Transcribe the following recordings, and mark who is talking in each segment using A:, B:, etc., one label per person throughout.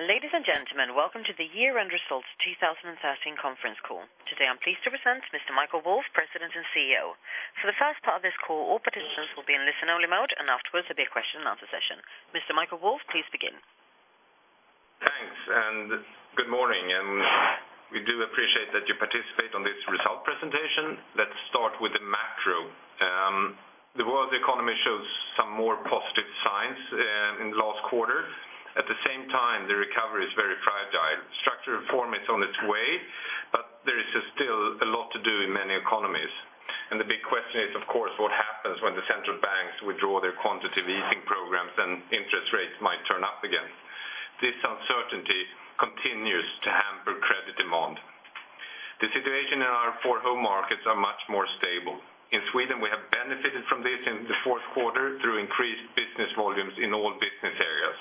A: Ladies and gentlemen, welcome to the year-end results 2013 conference call. Today, I'm pleased to present Mr. Michael Wolf, President and CEO. For the first part of this call, all participants will be in listen-only mode, and afterwards, there'll be a question and answer session. Mr. Michael Wolf, please begin.
B: Thanks, and good morning, and we do appreciate that you participate on this result presentation. Let's start with the macro. The world economy shows some more positive signs in the last quarter. At the same time, the recovery is very fragile. Structural reform is on its way, but there is still a lot to do in many economies. And the big question is, of course, what happens when the central banks withdraw their quantitative easing programs and interest rates might turn up again? This uncertainty continues to hamper credit demand. The situation in our four home markets are much more stable. In Sweden, we have benefited from this in the fourth quarter through increased business volumes in all business areas.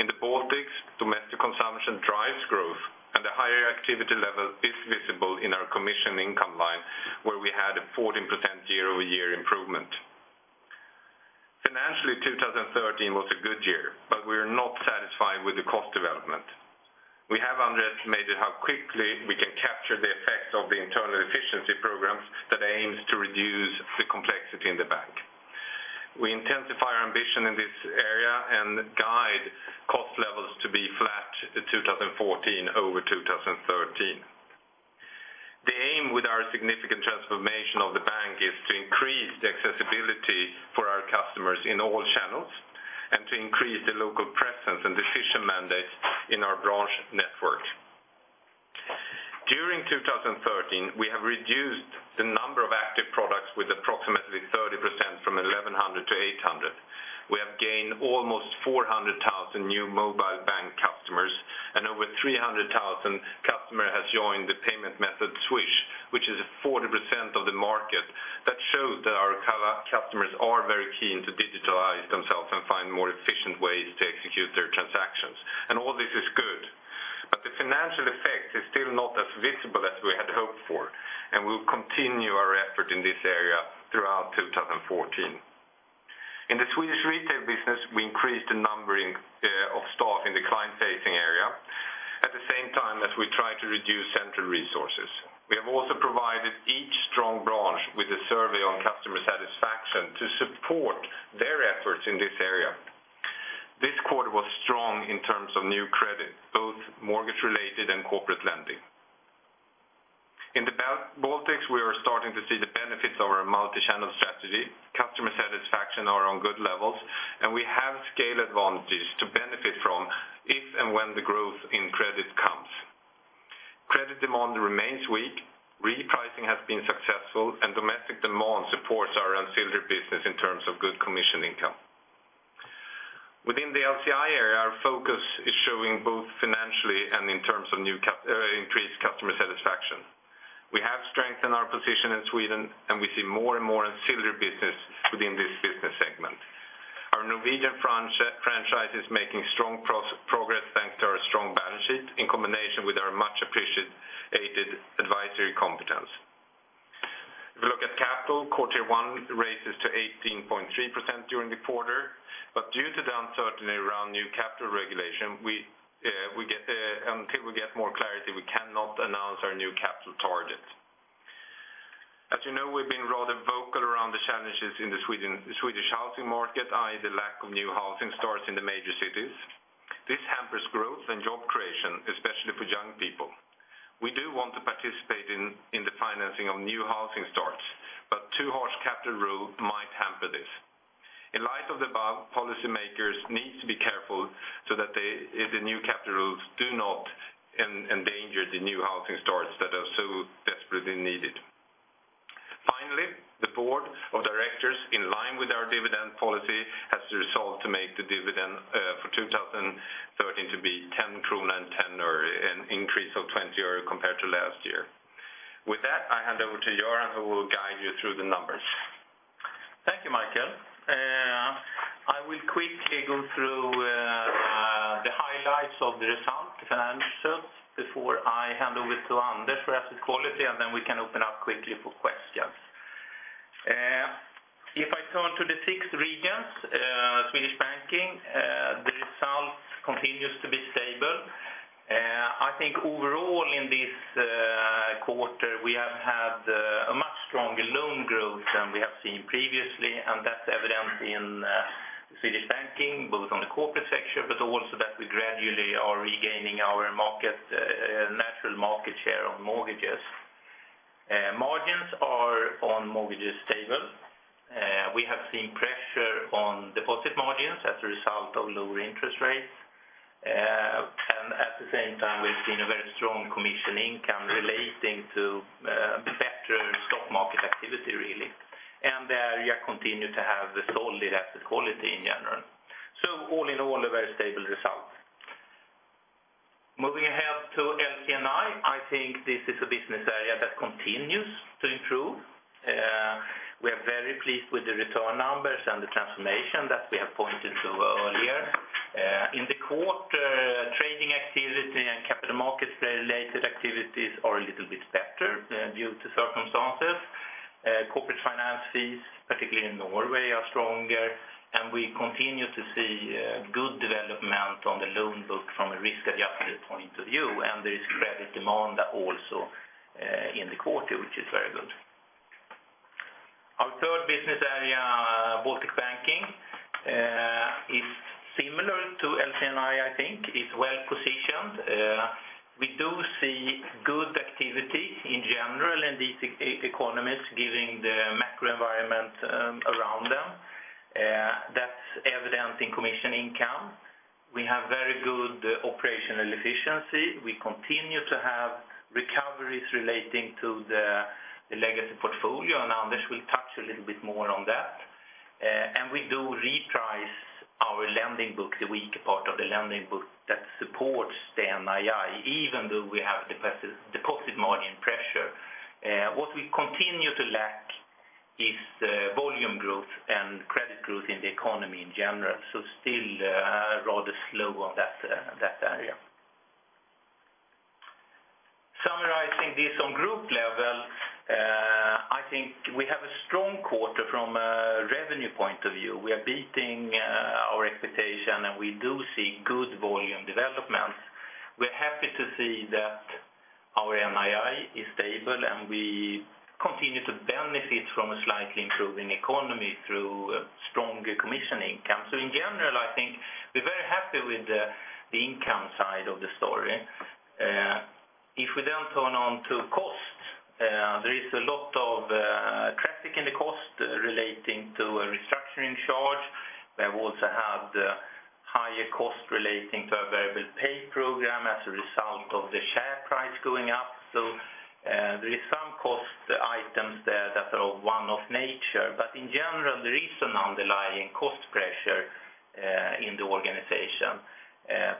B: In the Baltics, domestic consumption drives growth, and the higher activity level is visible in our commission income line, where we had a 14% year-over-year improvement. Financially, 2013 was a good year, but we are not satisfied with the cost development. We have underestimated how quickly we can capture the effects of the internal efficiency programs that aims to reduce the complexity in the bank. We intensify our ambition in this area and guide cost levels to be flat in 2014 over 2013. The aim with our significant transformation of the bank is to increase the accessibility for our customers in all channels, and to increase the local presence and decision mandates in our branch network. During 2013, we have reduced the number of active products with approximately 30% from 1,100 to 800. We have gained almost 400,000 new mobile bank customers, and over 300,000 customer has joined the payment method Swish, which is 40% of the market. That shows that our customers are very keen to digitalize themselves and find more efficient ways to execute their transactions. And all this is good, but the financial effect is still not as visible as we had hoped for, and we'll continue our effort in this area throughout 2014. In the Swedish retail business, we increased the numbering of staff in the client-facing area. At the same time, as we try to reduce central resources. We have also provided each strong branch with a survey on customer satisfaction to support their efforts in this area. This quarter was strong in terms of new credit, both mortgage-related and corporate lending. In the Baltics, we are starting to see the benefits of our multi-channel strategy. Customer satisfaction are on good levels, and we have scale advantages to benefit from if and when the growth in credit comes. Credit demand remains weak, repricing has been successful, and domestic demand supports our ancillary business in terms of good commission income. Within the LC&I area, our focus is showing both financially and in terms of new customer, increased customer satisfaction. We have strengthened our position in Sweden, and we see more and more ancillary business within this business segment. Our Norwegian franchise is making strong progress, thanks to our strong balance sheet, in combination with our much appreciated advisory competence. If you look at capital, quarter one raises to 18.3% during the quarter, but due to the uncertainty around new capital regulation, we, we get... Until we get more clarity, we cannot announce our new capital target. As you know, we've been rather vocal around the challenges in the Swedish housing market, i.e., the lack of new housing starts in the major cities. This hampers growth and job creation, especially for young people. We do want to participate in the financing of new housing starts, but too harsh capital rule might hamper this. In light of the above, policymakers need to be careful so that they, the new capital rules do not endanger the new housing starts that are so desperately needed. Finally, the board of directors, in line with our dividend policy, has resolved to make the dividend for 2013 to be 10.10 krona, an increase of 20 öre compared to last year. With that, I hand over to Göran, who will guide you through the numbers.
C: Thank you, Michael. I will quickly go through the highlights of the result, financials, before I hand over to Anders for asset quality, and then we can open up quickly for questions. If I turn to the six regions, Swedish Banking, the result continues to be stable. I think overall in this quarter, we have had a much stronger loan growth than we have seen previously, and that's evident in Swedish Banking, both on the corporate sector, but also that we gradually are regaining our natural market share on mortgages. Margins on mortgages are stable. We have seen pressure on deposit margins as a result of lower interest rates. And at the same time, we've seen a very strong commission income relating to better stock market activity, really. The area continue to have a solid asset quality in general. So all in all, a very stable result. Moving ahead to LC&I, I think this is a business area that continues to improve. We are very pleased with the return numbers and the transformation that we have pointed to earlier. In the quarter are a little bit better due to circumstances. Corporate finance fees, particularly in Norway, are stronger, and we continue to see good development on the loan book from a risk-adjusted point of view, and there is credit demand also in the quarter, which is very good. Our third business area, Baltic Banking, is similar to LC&I, I think, is well-positioned. We do see good activity in general in these economies, given the macro environment around them. That's evident in commission income. We have very good operational efficiency. We continue to have recoveries relating to the legacy portfolio, and Anders will touch a little bit more on that. And we do reprice our lending book, the weak part of the lending book, that supports the NII, even though we have deposit margin pressure. What we continue to lack is the volume growth and credit growth in the economy in general, so still rather slow on that area. Summarizing this on group level, I think we have a strong quarter from a revenue point of view. We are beating our expectation, and we do see good volume development. We're happy to see that our NII is stable, and we continue to benefit from a slightly improving economy through stronger commission income. So in general, I think we're very happy with the income side of the story. If we then turn on to costs, there is a lot of traffic in the cost relating to a restructuring charge. We have also had higher cost relating to a variable pay program as a result of the share price going up. So, there is some cost items there that are one-off nature, but in general, there is an underlying cost pressure in the organization.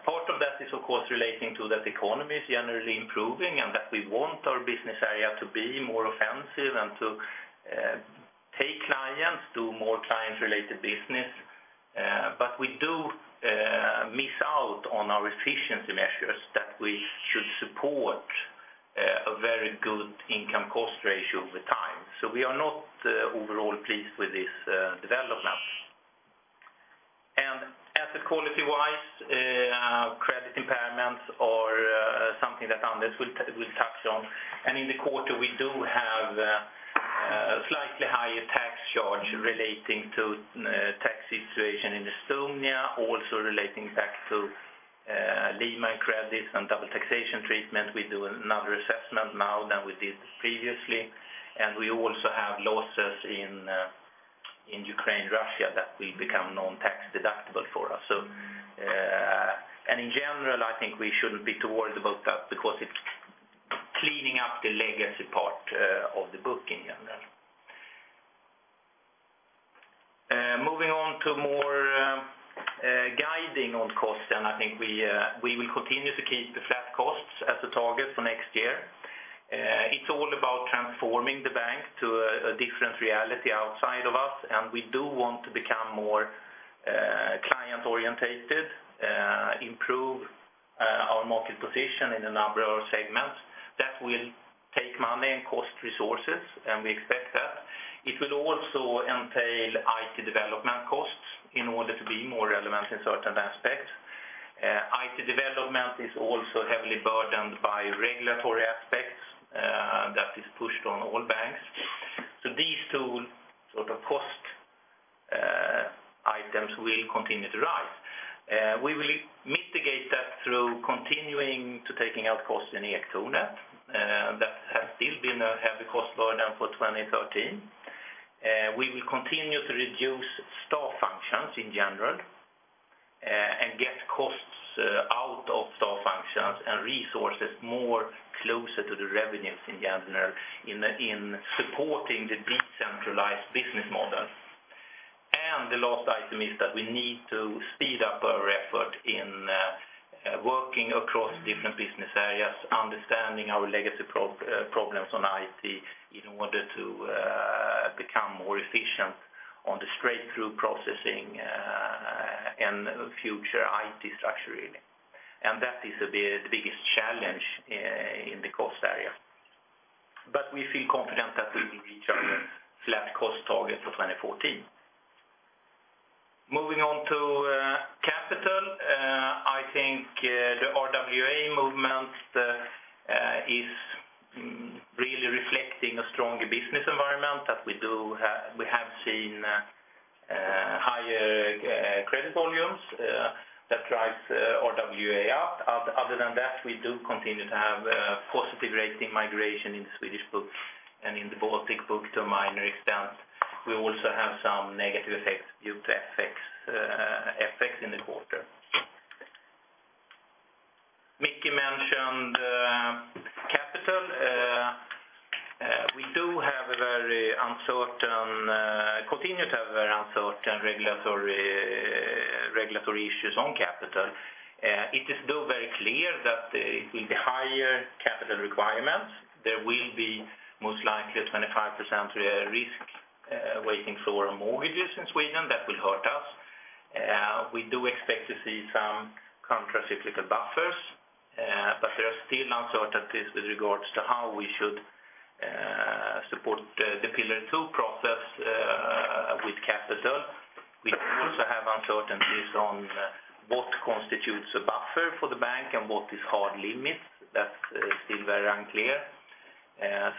C: Part of that is, of course, relating to that economy is generally improving, and that we want our business area to be more offensive and to take clients, do more client-related business. But we do miss out on our efficiency measures that we should support a very good income cost ratio over time. So we are not overall pleased with this development. And asset quality-wise, credit impairments are something that Anders will touch on. And in the quarter, we do have a slightly higher tax charge relating to tax situation in Estonia, also relating back to Lehman credits and double taxation treatment. We do another assessment now than we did previously, and we also have losses in Ukraine, Russia, that will become non-tax deductible for us. So, and in general, I think we shouldn't be too worried about that because it's cleaning up the legacy part of the book in general. Moving on to more guiding on cost, and I think we will continue to keep the flat costs as the target for next year. It's all about transforming the bank to a different reality outside of us, and we do want to become more client-oriented, improve our market position in a number of segments. That will take money and cost resources, and we expect that. It will also entail IT development costs in order to be more relevant in certain aspects. IT development is also heavily burdened by regulatory aspects that is pushed on all banks. So these two sort of cost items will continue to rise. We will mitigate that through continuing to taking out costs in Ektornet. That has still been a heavy cost burden for 2013. We will continue to reduce staff functions in general, and get costs out of staff functions and resources more closer to the revenues in general, in supporting the decentralized business model. The last item is that we need to speed up our effort in working across different business areas, understanding our legacy problems on IT, in order to become more efficient on the straight-through processing and future IT structure, really. That is the biggest challenge in the cost area. But we feel confident that we will reach our flat cost target for 2014. Moving on to capital, I think the RWA movement is really reflecting a stronger business environment that we have seen higher credit volumes that drives RWA up. Other than that, we do continue to have positive rating migration in the Swedish book and in the Baltic book to a minor extent. We also have some negative effects due to FX, FX in the quarter. Michael mentioned, capital. We continue to have very uncertain regulatory issues on capital. It is, though, very clear that, with the higher capital requirements, there will be most likely a 25% risk weighting for our mortgages in Sweden. That will hurt us. We do expect to see some countercyclical buffers, but there are still uncertainties with regards to how we should support the Pillar Two process with capital. We also have uncertainties on what constitutes a buffer for the bank and what is hard limits. That's still very unclear.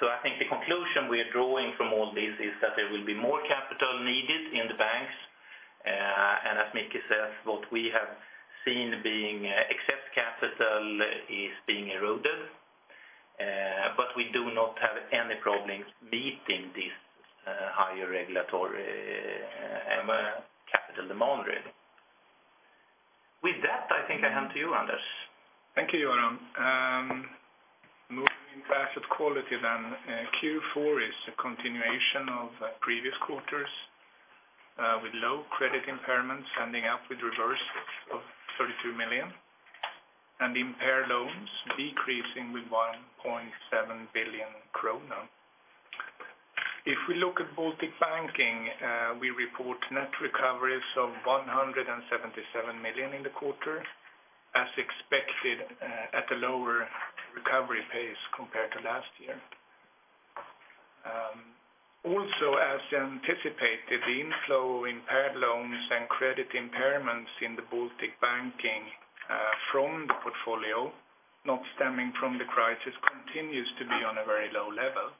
C: So I think the conclusion we are drawing from all this is that there will be more capital needed in the banks. And as Michael says, what we have seen being excess capital is being eroded, but we do not have any problems meeting this higher regulatory capital demand, really. With that, I think I hand to you, Anders.
D: Thank you, Göran. Moving on to asset quality, Q4 is a continuation of previous quarters, with low credit impairments, ending up with reversal of 32 million, and impaired loans decreasing with 1.7 billion kronor. If we look at Baltic Banking, we report net recoveries of 177 million in the quarter, as expected, at a lower recovery pace compared to last year. Also, as anticipated, the inflow of impaired loans and credit impairments in the Baltic Banking, from the portfolio, not stemming from the crisis, continues to be on a very low level.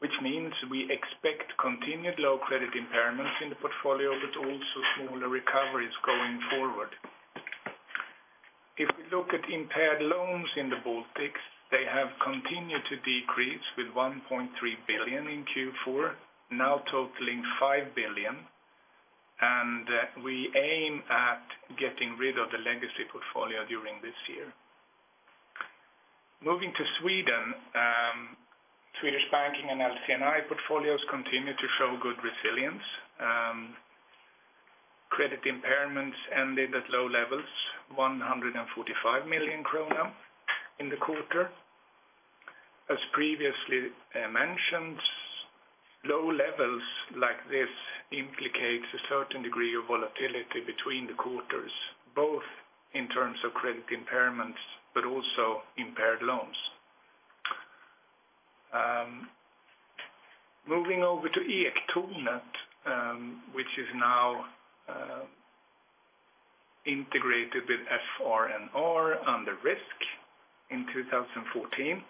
D: Which means we expect continued low credit impairments in the portfolio, but also smaller recoveries going forward. If we look at impaired loans in the Baltics, they have continued to decrease with 1.3 billion in Q4, now totaling 5 billion, and we aim at getting rid of the legacy portfolio during this year. Moving to Sweden, Swedish Banking and LC&I portfolios continue to show good resilience. Credit impairments ended at low levels, 145 million kronor in the quarter. As previously mentioned, low levels like this implicates a certain degree of volatility between the quarters, both in terms of credit impairments, but also impaired loans. Moving over to Ektornet, which is now integrated with FR&R under risk in 2014.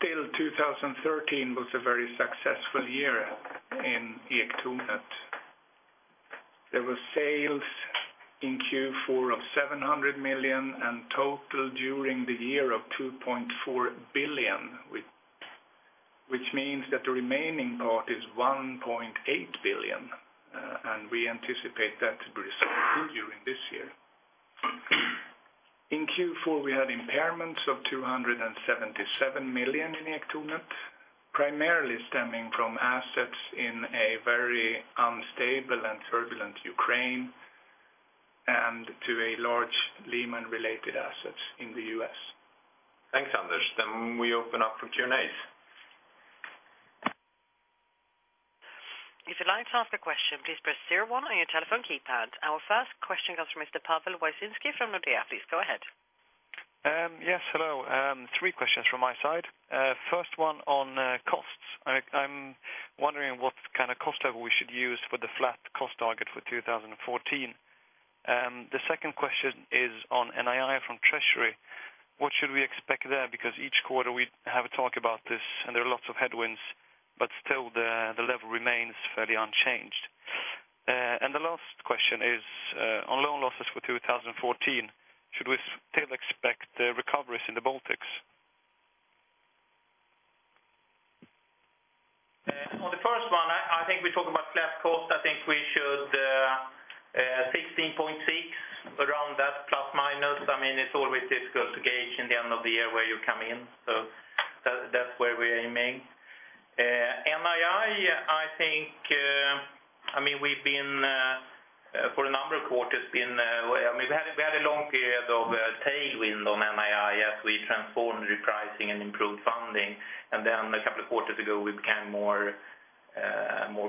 D: Still, 2013 was a very successful year in Ektornet. There were sales in Q4 of 700 million, and total during the year of 2.4 billion, which means that the remaining part is 1.8 billion, and we anticipate that to be sold during this year. In Q4, we had impairments of 277 million in Ektornet, primarily stemming from assets in a very unstable and turbulent Ukraine, and to a large Lehman-related assets in the US.
C: Thanks, Anders. Then we open up for Q&A.
A: If you'd like to ask a question, please press zero one on your telephone keypad. Our first question comes from Mr. Paweł Wyszyński from Nordea. Please go ahead.
E: Yes, hello. Three questions from my side. First one on costs. I'm wondering what kind of cost level we should use for the flat cost target for 2014. The second question is on NII from treasury. What should we expect there? Because each quarter we have a talk about this, and there are lots of headwinds, but still the level remains fairly unchanged. And the last question is on loan losses for 2014. Should we still expect the recoveries in the Baltics?
C: On the first one, I think we talked about flat cost. I think we should 16.6 around that, plus minus. I mean, it's always difficult to gauge in the end of the year where you come in, so that's where we're aiming. NII, I think, I mean, we've been for a number of quarters been we had a long period of tailwind on NII as we transformed repricing and improved funding, and then a couple of quarters ago, we became more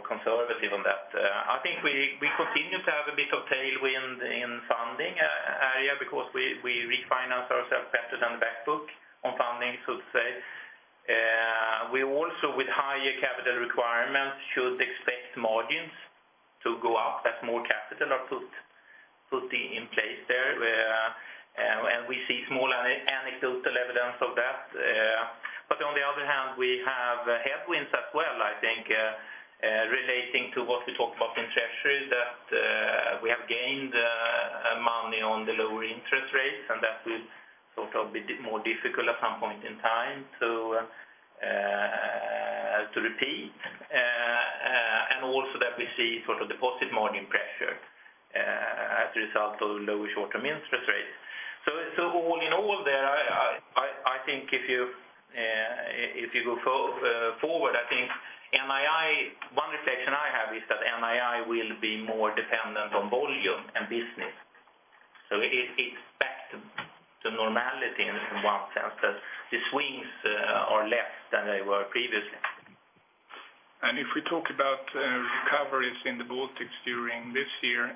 C: conservative on that. I think we continue to have a bit of tailwind in funding area, because we refinance ourselves better than the back book on funding, so to say. We also, with higher capital requirements, should expect margins to go up as more capital are put, putting in place there, and we see small anecdotal evidence of that. But on the other hand, we have headwinds as well, I think, relating to what we talked about in treasury, that we have gained money on the lower interest rates, and that will sort of be more difficult at some point in time to repeat. And also that we see sort of deposit margin pressure as a result of lower short-term interest rates. So all in all there, I think if you go forward, I think NII, one reflection I have is that NII will be more dependent on volume and business. So it, it. The normality in one sense, that the swings are less than they were previously.
D: If we talk about recoveries in the Baltics during this year,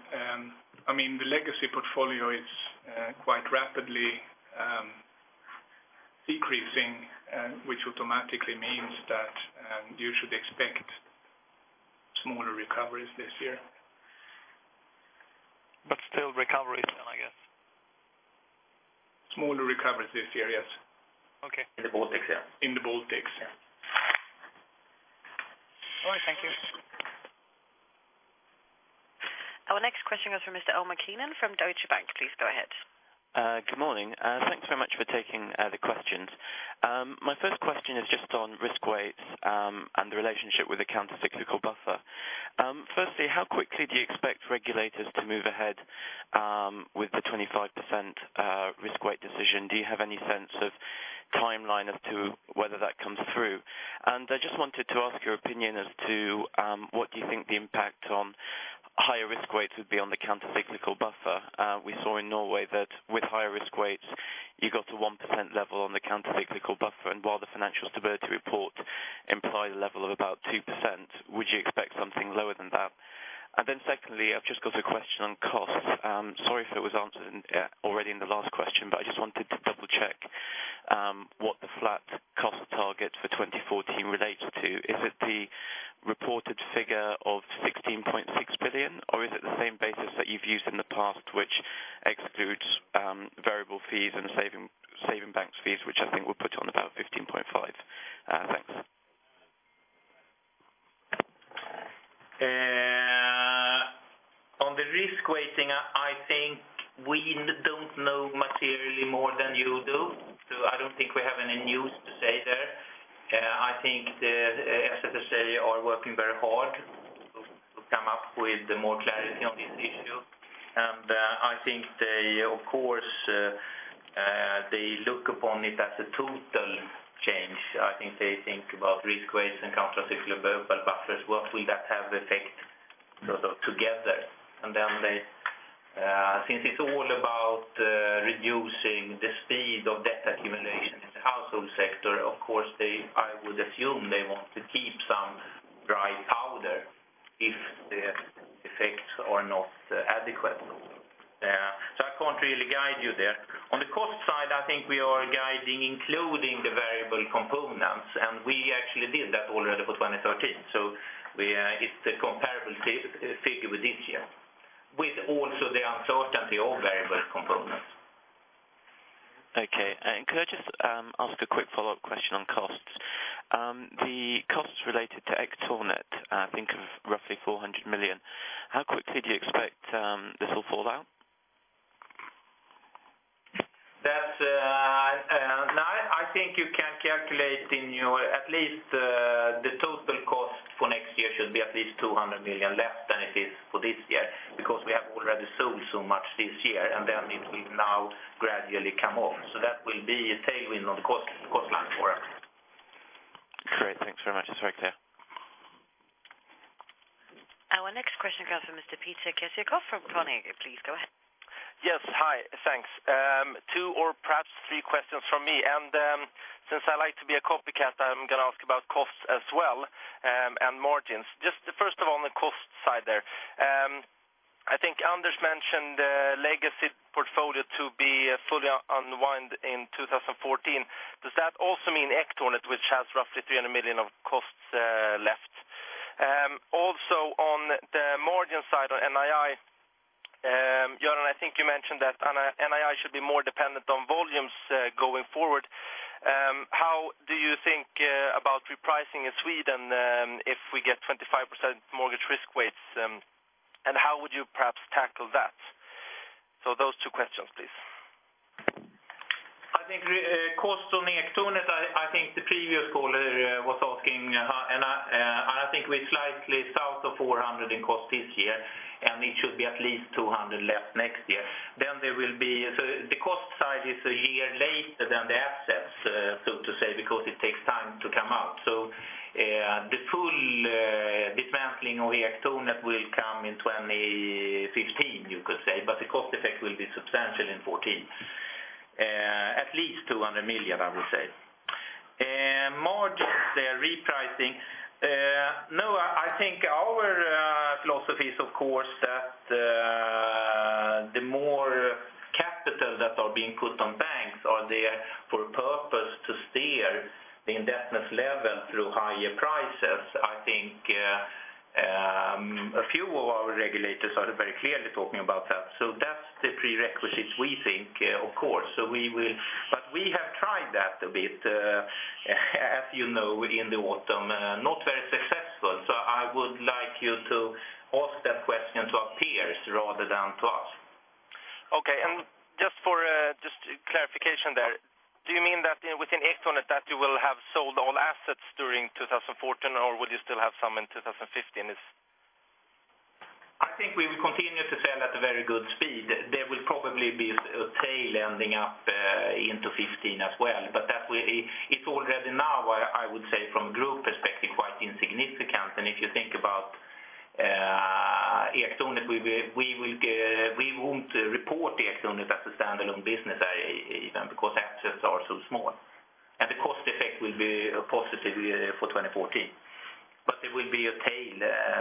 D: I mean, the legacy portfolio is quite rapidly decreasing, which automatically means that you should expect smaller recoveries this year.
B: But still recoveries, I guess?
D: Smaller recoveries this year, yes.
B: Okay.
C: In the Baltics, yeah.
D: In the Baltics, yeah.
A: All right, thank you. Our next question is from Mr. Omar Keenan from Deutsche Bank. Please go ahead.
F: Good morning, and thanks so much for taking the questions. My first question is just on risk weights and the relationship with the Countercyclical Buffer. Firstly, how quickly do you expect regulators to move ahead with the 25% risk weight decision? Do you have any sense of timeline as to whether that comes through? And I just wanted to ask your opinion as to what do you think the impact on higher risk weights would be on the Countercyclical Buffer? We saw in Norway that with higher risk weights, you got to 1% level on the Countercyclical Buffer, and while the Financial Stability Report implied a level of about 2%, would you expect something lower than that? And then secondly, I've just got a question on costs. Sorry if it was answered already in the last question, but I just wanted to double-check what the flat cost target for 2014 relates to. Is it the reported figure of 16.6 billion, or is it the same basis that you've used in the past, which excludes variable fees and saving, saving banks fees, which I think were put on about 15.5 billion? Thanks.
C: On the risk weighting, I think we don't know materially more than you do. So I don't think we have any news to say there. I think the SFSA are working very hard to come up with more clarity on this issue. And I think they, of course, they look upon it as a total change. I think they think about risk weights and countercyclical buffer, buffers. What will that have effect sort of together? And then they, since it's all about reducing the speed of debt accumulation in the household sector, of course, they... I would assume they want to keep some dry powder if the effects are not adequate. So I can't really guide you there. On the cost side, I think we are guiding, including the variable components, and we actually did that already for 2013. So, it's a comparable figure with this year, with also the uncertainty of variable components.
F: Okay. And could I just ask a quick follow-up question on costs? The costs related to Ektornet, I think, of roughly 400 million. How quickly do you expect this will fall out?
C: That's, no, I, I think you can calculate in your at least, the total cost for next year should be at least 200 million less than it is for this year, because we have already sold so much this year, and then it will now gradually come off. So that will be a tailwind on the cost, cost line for us.
F: Great, thanks very much. It's clear.
A: Our next question comes from Mr. Peter Kjellklo from Carnegie. Please go ahead.
G: Yes. Hi, thanks. Two or perhaps three questions from me, and, since I like to be a copycat, I'm gonna ask about costs as well, and margins. Just first of all, on the cost side there, I think Anders mentioned the legacy portfolio to be fully unwind in 2014. Does that also mean Ektornet, which has roughly 300 million of costs, left? Also on the margin side, on NII, John, I think you mentioned that on a NII should be more dependent on volumes, going forward. How do you think, about repricing in Sweden, if we get 25% mortgage risk weights? And how would you perhaps tackle that? So those two questions, please.
C: I think, regarding cost on the Ektornet, I think the previous caller was asking, and I think we're slightly south of 400 million in cost this year, and it should be at least 200 million less next year. Then there will be... So the cost side is a year later than the assets, so to say, because it takes time to come out. So, the full dismantling of Ektornet will come in 2015, you could say, but the cost effect will be substantial in 2014. At least 200 million, I would say. Margins, they are repricing. No, I think our philosophy is, of course, that the more capital that are being put on banks are there for a purpose to steer the indebtedness level through higher prices. I think, a few of our regulators are very clearly talking about that. So that's the prerequisites we think, of course. So we will. But we have tried that a bit, as you know, in the autumn, not very successful. So I would like you to ask that question to our peers rather than to us.
G: Okay. And just for just clarification there, do you mean that within Ektornet, that you will have sold all assets during 2014, or will you still have some in 2015?
C: I think we will continue to sell at a very good speed. There will probably be a tail ending up into 2015 as well, but that we-- It's already now, I, I would say, from group perspective, quite insignificant. And if you think about-... Ektornet, we will, we will, we won't report Ektornet as a standalone business area even because actions are so small, and the cost effect will be positive for 2014. But there will be a tail,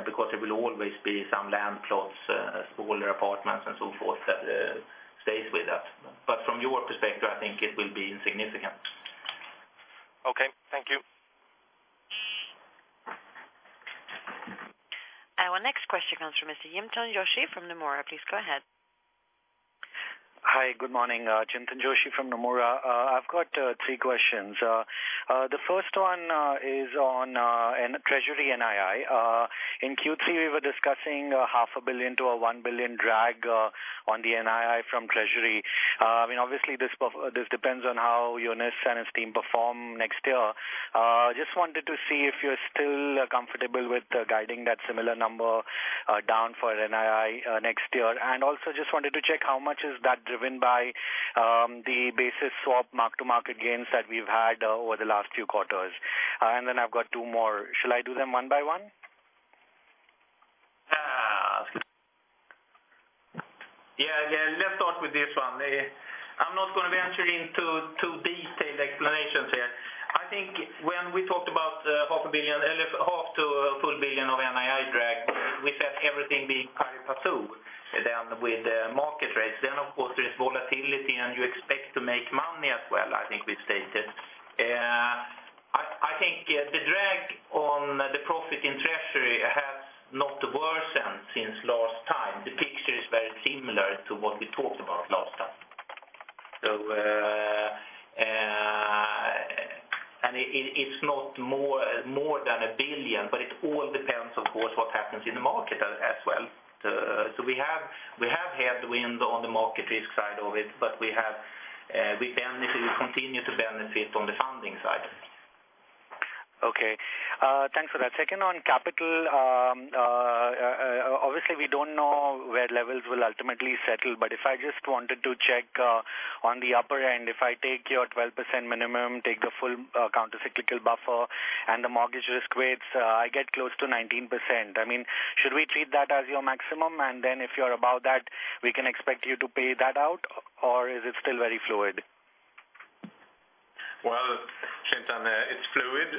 C: because there will always be some land plots, smaller apartments and so forth that stays with us. But from your perspective, I think it will be insignificant.
G: Okay. Thank you.
A: Our next question comes from Mr. Chintan Joshi from Nomura. Please go ahead.
H: Hi, good morning, Chintan Joshi from Nomura. I've got three questions. The first one is on treasury NII. In Q3, we were discussing a 500 million-1 billion drag on the NII from treasury. I mean, obviously, this depends on how Jonas and his team perform next year. Just wanted to see if you're still comfortable with guiding that similar number down for NII next year. And also, just wanted to check how much is that driven by the basis swap mark-to-market gains that we've had over the last few quarters. And then I've got two more. Shall I do them one by one?
C: Yeah, yeah, let's start with this one. I'm not gonna venture into too detailed explanations here. I think when we talked about half a billion, half to a full billion of NII drag, we said everything being pari passu down with the market rates. Then, of course, there's volatility, and you expect to make money as well, I think we've stated. I think the drag on the profit in treasury has not worsened since last time. The picture is very similar to what we talked about last time. So, it's not more than a billion, but it all depends, of course, what happens in the market as well. So we have headwind on the market risk side of it, but we benefit, we continue to benefit on the funding side.
H: Okay. Thanks for that. Second, on capital, obviously, we don't know where levels will ultimately settle, but if I just wanted to check, on the upper end, if I take your 12% minimum, take the full, countercyclical buffer and the mortgage risk weights, I get close to 19%. I mean, should we treat that as your maximum? And then if you're above that, we can expect you to pay that out, or is it still very fluid?
B: Well, Chintan, it's fluid,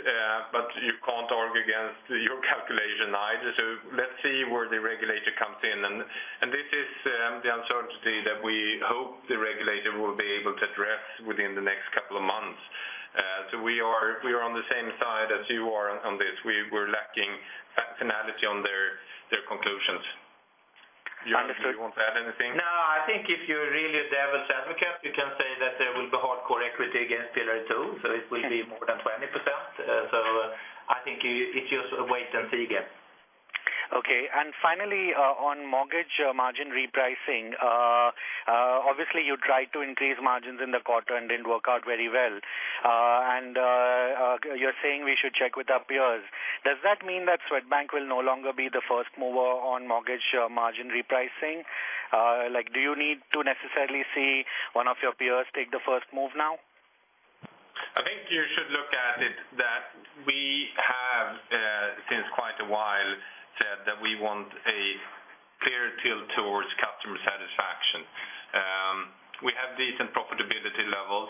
B: but you can't argue against your calculation either. So let's see where the regulator comes in. And this is the uncertainty that we hope the regulator will be able to address within the next couple of months. So we are on the same side as you are on this. We're lacking finality on their conclusions.
H: Understood.
B: You want to add anything?
C: No, I think if you're really a devil's advocate, you can say that there will be hardcore equity against Pillar Two, so it will be more than 20%. So I think it's just wait and see again.
H: Okay. And finally, on mortgage margin repricing, obviously, you tried to increase margins in the quarter and didn't work out very well. You're saying we should check with our peers. Does that mean that Swedbank will no longer be the first mover on mortgage margin repricing? Like, do you need to necessarily see one of your peers take the first move now?
B: I think you should look at it that we have, since quite a while, said that we want a clear tilt towards customer satisfaction. We have decent profitability levels.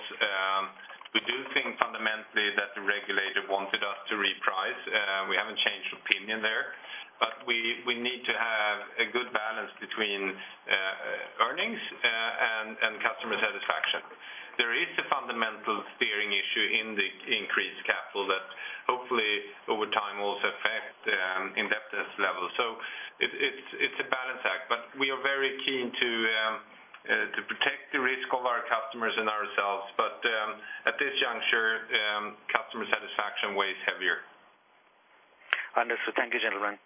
B: We do think fundamentally that the regulator wanted us to reprice, we haven't changed opinion there, but we, we need to have a good balance between, earnings, and, and customer satisfaction. There is a fundamental steering issue in the increased capital that hopefully over time, will also affect, in-depth level. So it's, it's, it's a balance act, but we are very keen to, to protect the risk of our customers and ourselves. But, at this juncture, customer satisfaction weighs heavier.
H: Understood. Thank you, gentlemen.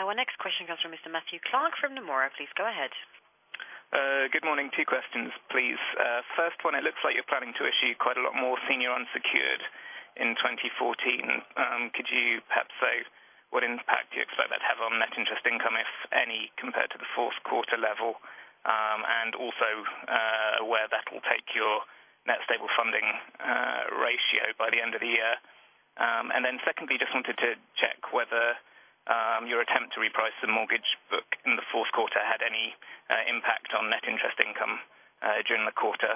A: Our next question comes from Mr. Matthew Clark from Nomura. Please go ahead.
I: Good morning. 2 questions, please. First one, it looks like you're planning to issue quite a lot more senior unsecured in 2014. Could you perhaps say what impact you expect that to have on net interest income, if any, compared to the fourth quarter level? And also, where that will take your net stable funding ratio by the end of the year. And then secondly, just wanted to check whether your attempt to reprice the mortgage book in the fourth quarter had any impact on net interest income during the quarter,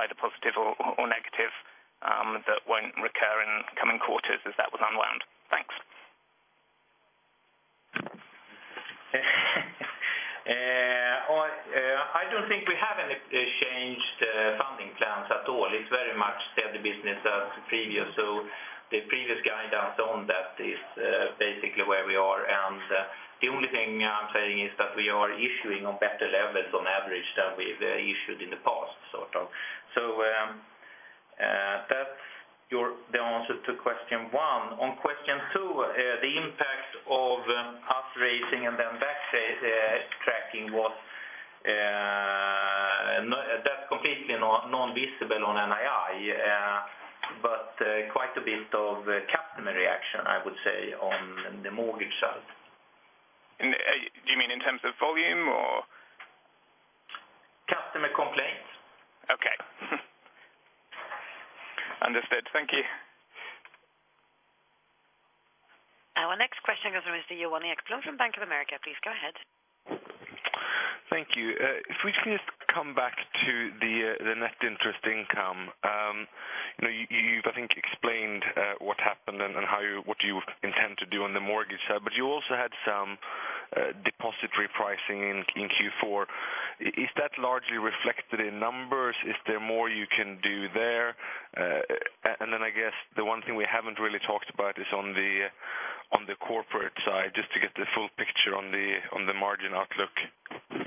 I: either positive or negative, that won't recur in coming quarters as that was unwound? Thanks.
C: I don't think we have any changed funding plans at all. It's very much steady business as previous. So the previous guidance on that is basically where we are. And the only thing I'm saying is that we are issuing on better levels on average than we've issued in the past, sort of. So that's the answer to question one. On question two, the impact of us raising and then backtracking was no. That's completely non-visible on NII, but quite a bit of customer reaction, I would say, on the mortgage side.
I: Do you mean in terms of volume, or?...Understood. Thank you.
A: Our next question comes from Mr. Johan Ekblom from Bank of America. Please go ahead.
J: Thank you. If we can just come back to the net interest income. You know, you've, I think, explained what happened and how you what you intend to do on the mortgage side, but you also had some deposit repricing in Q4. Is that largely reflected in numbers? Is there more you can do there? And then I guess the one thing we haven't really talked about is on the corporate side, just to get the full picture on the margin outlook.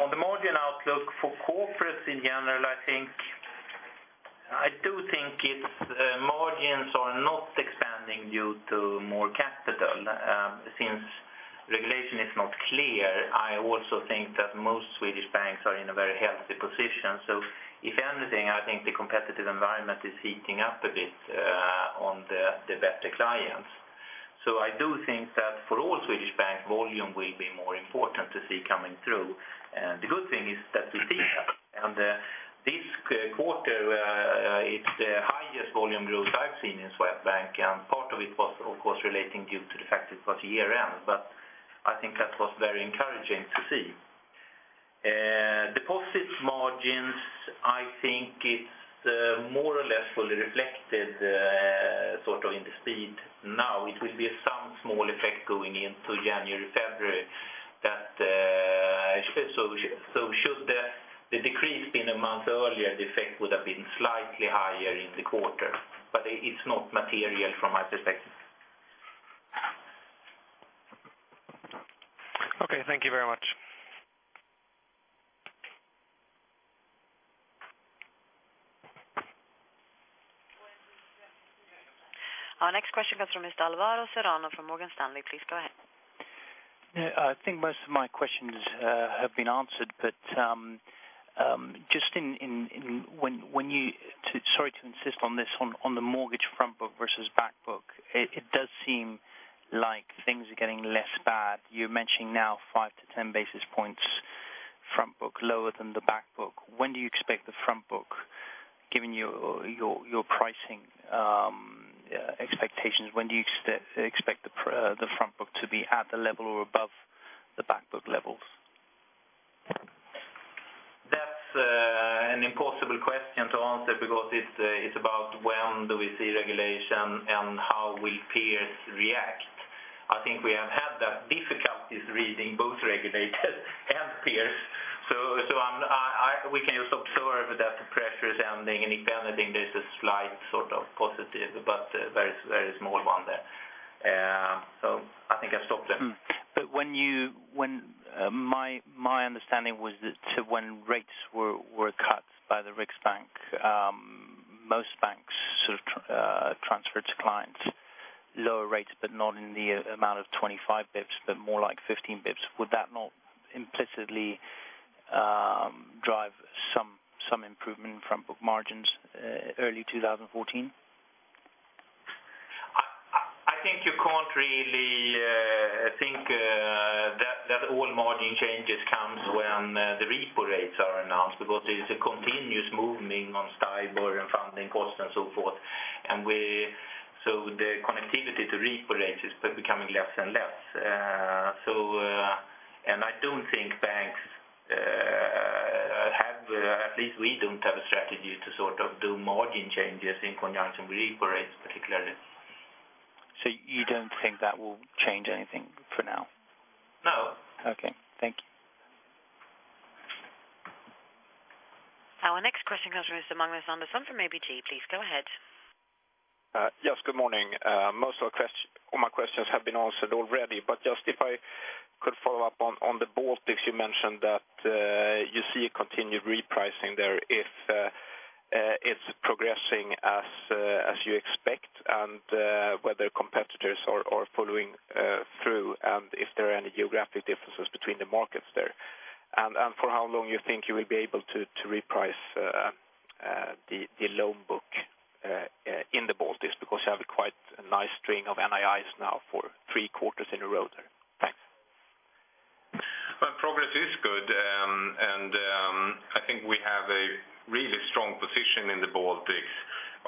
C: On the margin outlook for corporates in general, I think... I do think it's margins are not expanding due to more capital since regulation is not clear. I also think that most Swedish banks are in a very healthy position. So if anything, I think the competitive environment is heating up a bit on the better clients. So I do think that for all Swedish bank, volume will be more important to see coming through. And the good thing is that we see that. And this quarter, it's the highest volume growth I've seen in Swedbank, and part of it was, of course, relating due to the fact it was year-end, but I think that was very encouraging to see. Deposits margins, I think it's more or less fully reflected sort of in the speed. Now, it will be some small effect going into January, February. So should the decrease been a month earlier, the effect would have been slightly higher in the quarter, but it's not material from my perspective.
J: Okay, thank you very much.
A: Our next question comes from Mr. Alvaro Serrano from Morgan Stanley. Please go ahead.
K: Yeah, I think most of my questions have been answered, but just in when you—sorry to insist on this, on the mortgage front book versus back book, it does seem like things are getting less bad. You're mentioning now 5 basis points-10 basis points, front book lower than the back book. When do you expect the front book, given your pricing expectations, when do you expect the front book to be at the level or above the back book levels?
C: That's an impossible question to answer because it's about when do we see regulation and how will peers react? I think we have had that difficulties reading, both regulated and peers. So I'm... We can just observe that the pressure is ending, and if anything, there's a slight sort of positive, but a very, very small one there. So I think I stop there.
K: Mm. But when you... My understanding was that when rates were cut by the Riksbank, most banks sort of transferred to clients lower rates, but not in the amount of 25 basis points, but more like 15 basis points. Would that not implicitly drive some improvement in front book margins early 2014?
C: I think you can't really think that all margin changes comes when the repo rates are announced, because there's a continuous movement on Stibor and funding costs and so forth. So the connectivity to repo rates is becoming less and less. So, and I don't think banks have, at least we don't have a strategy to sort of do margin changes in conjunction with repo rates, particularly.
K: So you don't think that will change anything for now?
C: No.
K: Okay. Thank you.
A: Our next question comes from Magnus Andersson from ABG. Please go ahead.
L: Yes, good morning. Most of our—all my questions have been answered already, but just if I could follow up on the Baltics, you mentioned that you see a continued repricing there. If it's progressing as you expect, and whether competitors are following through, and if there are any geographic differences between the markets there. And for how long you think you will be able to reprice the loan book in the Baltics? Because you have quite a nice string of NIIs now for three quarters in a row there. Thanks.
B: Well, progress is good, and I think we have a really strong position in the Baltics.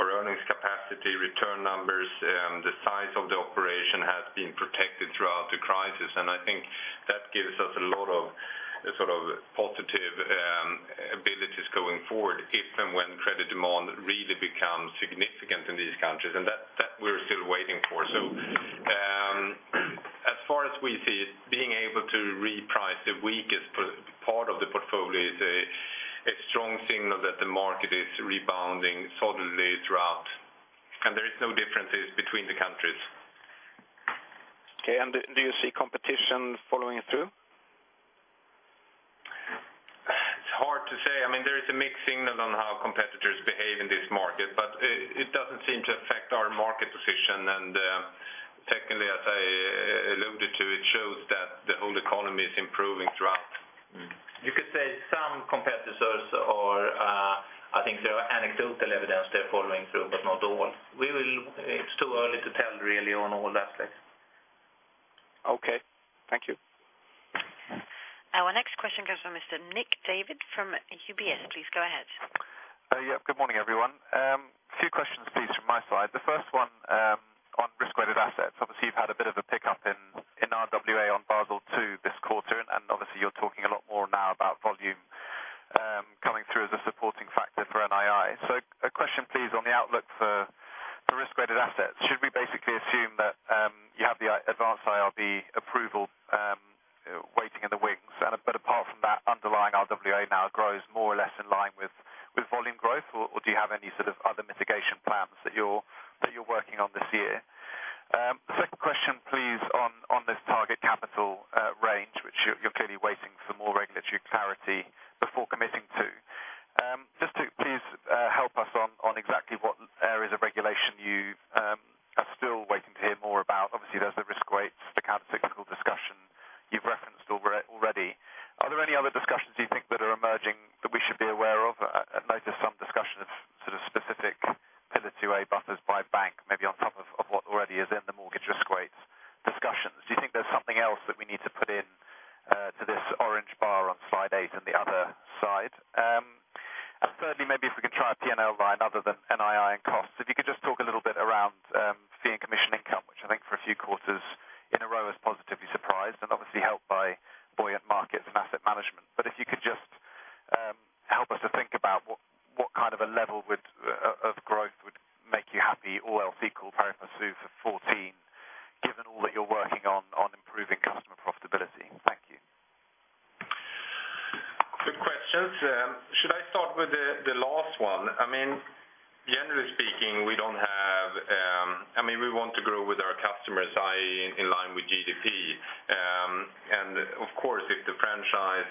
B: Our earnings capacity, return numbers, the size of the operation has been protected throughout the crisis, and I think that gives us a lot of, sort of positive, abilities going forward, if and when credit demand really becomes significant in these countries, and that we're still waiting for. So, as far as we see it, being able to reprice the weakest part of the portfolio is a strong signal that the market is rebounding solidly throughout, and there is no differences between the countries.
L: Okay. And do you see competition following through?
B: It's hard to say. I mean, there is a mixed signal on how competitors behave in this market, but it doesn't seem to affect our market position. And, technically, as I alluded to, it shows that the whole economy is improving throughout.
C: You could say some competitors-I think there are anecdotal evidence they're following through, but not all. We will-- It's too early to tell, really, on all that place.
L: Okay, thank you.
A: Our next question comes from Mr. Nick Davey from UBS. Please go ahead.
M: Yeah, good morning, everyone. A few questions, please, from my side. The first one, on risk-weighted assets. Obviously, you've had a bit of a pickup in RWA on Basel II this quarter, and obviously, you're talking a lot more now about volume coming through as a supporting factor for NII. So a question, please, on the outlook for risk-weighted assets. Should we basically assume that you have the advanced IRB approval waiting in the wings? And, but apart from that, underlying RWA now grows more or less in line with volume growth, or do you have any sort of other mitigation plans that you're working on this year? The second question, please, on this target capital range, which you're clearly waiting for more regulatory clarity before committing to. Just to please, help us on, on exactly what areas of regulation you are still waiting to hear more about. Obviously, there's the risk weights, the countercyclical discussion you've referenced already. Are there any other discussions you think that are emerging that we should be aware of? I noticed some discussion of sort of specific Pillar Two A buffers by bank, maybe on top of, of what already is in the mortgage risk weights discussions. Do you think there's something else that we need to put in to this orange bar on slide eight and the other side? And thirdly, maybe if we could try a PNL line other than NII and costs. If you could just talk a little bit around fee and commission income, which I think for a few quarters in a row is positively surprised, and obviously helped by buoyant markets and asset management. But if you could just help us to think about what, what kind of a level would of growth would make you happy, all else equal, pari passu for fourteen, given all that you're working on, on improving customer profitability. Thank you.
B: Good questions. Should I start with the last one? I mean, generally speaking, we don't have... I mean, we want to grow with our customers, i.e., in line with GDP. And of course, if the franchise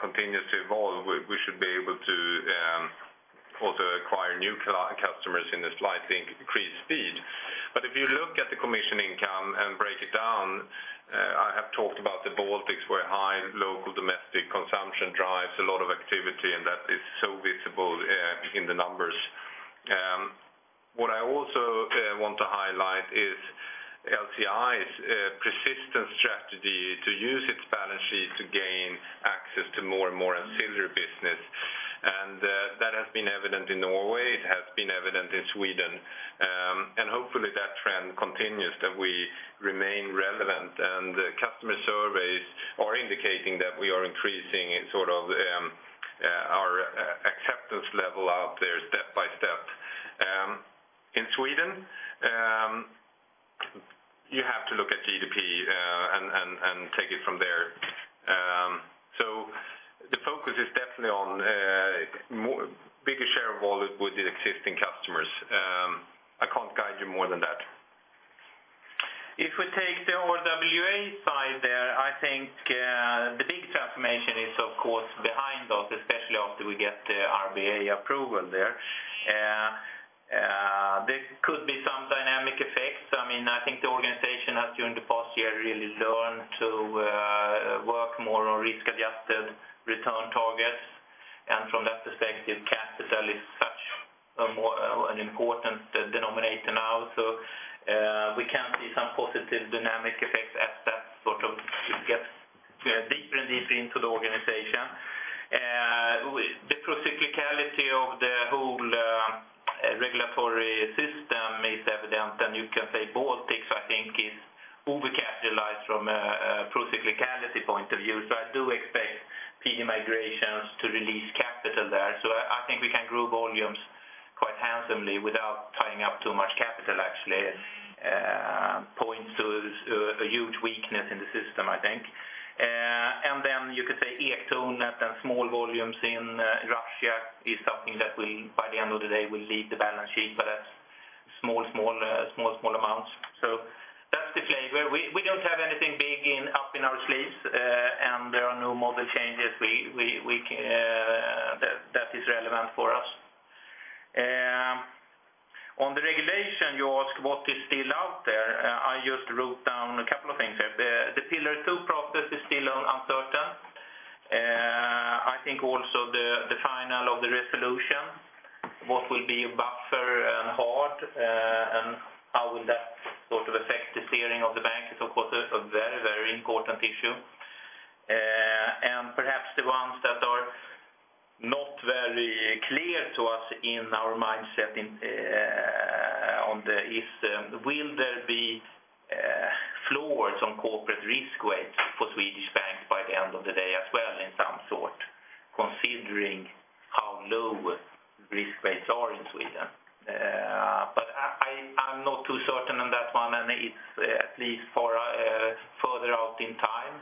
B: continues to evolve, we should be able to also acquire new customers in a slightly increased speed. But if you look at the commission income and break it down, I have talked about the Baltics, where high local domestic consumption drives a lot of activity, and that is so visible in the numbers. What I also want to highlight is LC&I's persistent strategy to use its balance sheet to gain access to more and more ancillary business. And that has been evident in Norway, it has been evident in Sweden. Hopefully, that trend continues, that we remain relevant, and customer surveys are indicating that we are increasing in sort of our acceptance level out there step by step. In Sweden, you have to look at GDP, and take it from there. The focus is definitely on more, bigger share of wallet with the existing customers. I can't guide you more than that.
C: If we take the RWA side there, I think, the big transformation is, of course, behind us, especially after we get the IRB approval there. There could be some dynamic effects. I mean, I think the organization has, during the past year, really learned to work more on risk-adjusted return targets, and from that perspective, capital is such a more an important denominator now. So, we can see some positive dynamic effects as that sort of gets deeper and deeper into the organization. The procyclicality of the whole regulatory system is evident, and you can say, Baltics, I think, is overcapitalized from a procyclicality point of view. So I do expect PD migrations to release capital there. So I think we can grow volumes quite handsomely without tying up too much capital, actually, points to a huge weakness in the system, I think. And then you could say Ektornet and small volumes in Russia is something that will, by the end of the day, will leave the balance sheet, but that's small amounts. So that's the flavor. We don't have anything big up in our sleeves, and there are no model changes that is relevant for us. On the regulation, you ask what is still out there. I just wrote down a couple of things there. The Pillar Two process is still uncertain. I think also the final of the resolution, what will be buffer and hard, and how will that sort of affect the steering of the bank is, of course, a very, very important issue. And perhaps the ones that are not very clear to us in our mindset in on the if, will there be floors on corporate risk weights for Swedish banks by the end of the day as well, in some sort, considering how low risk weights are in Sweden? But I, I'm not too certain on that one, and it's at least far further out in time,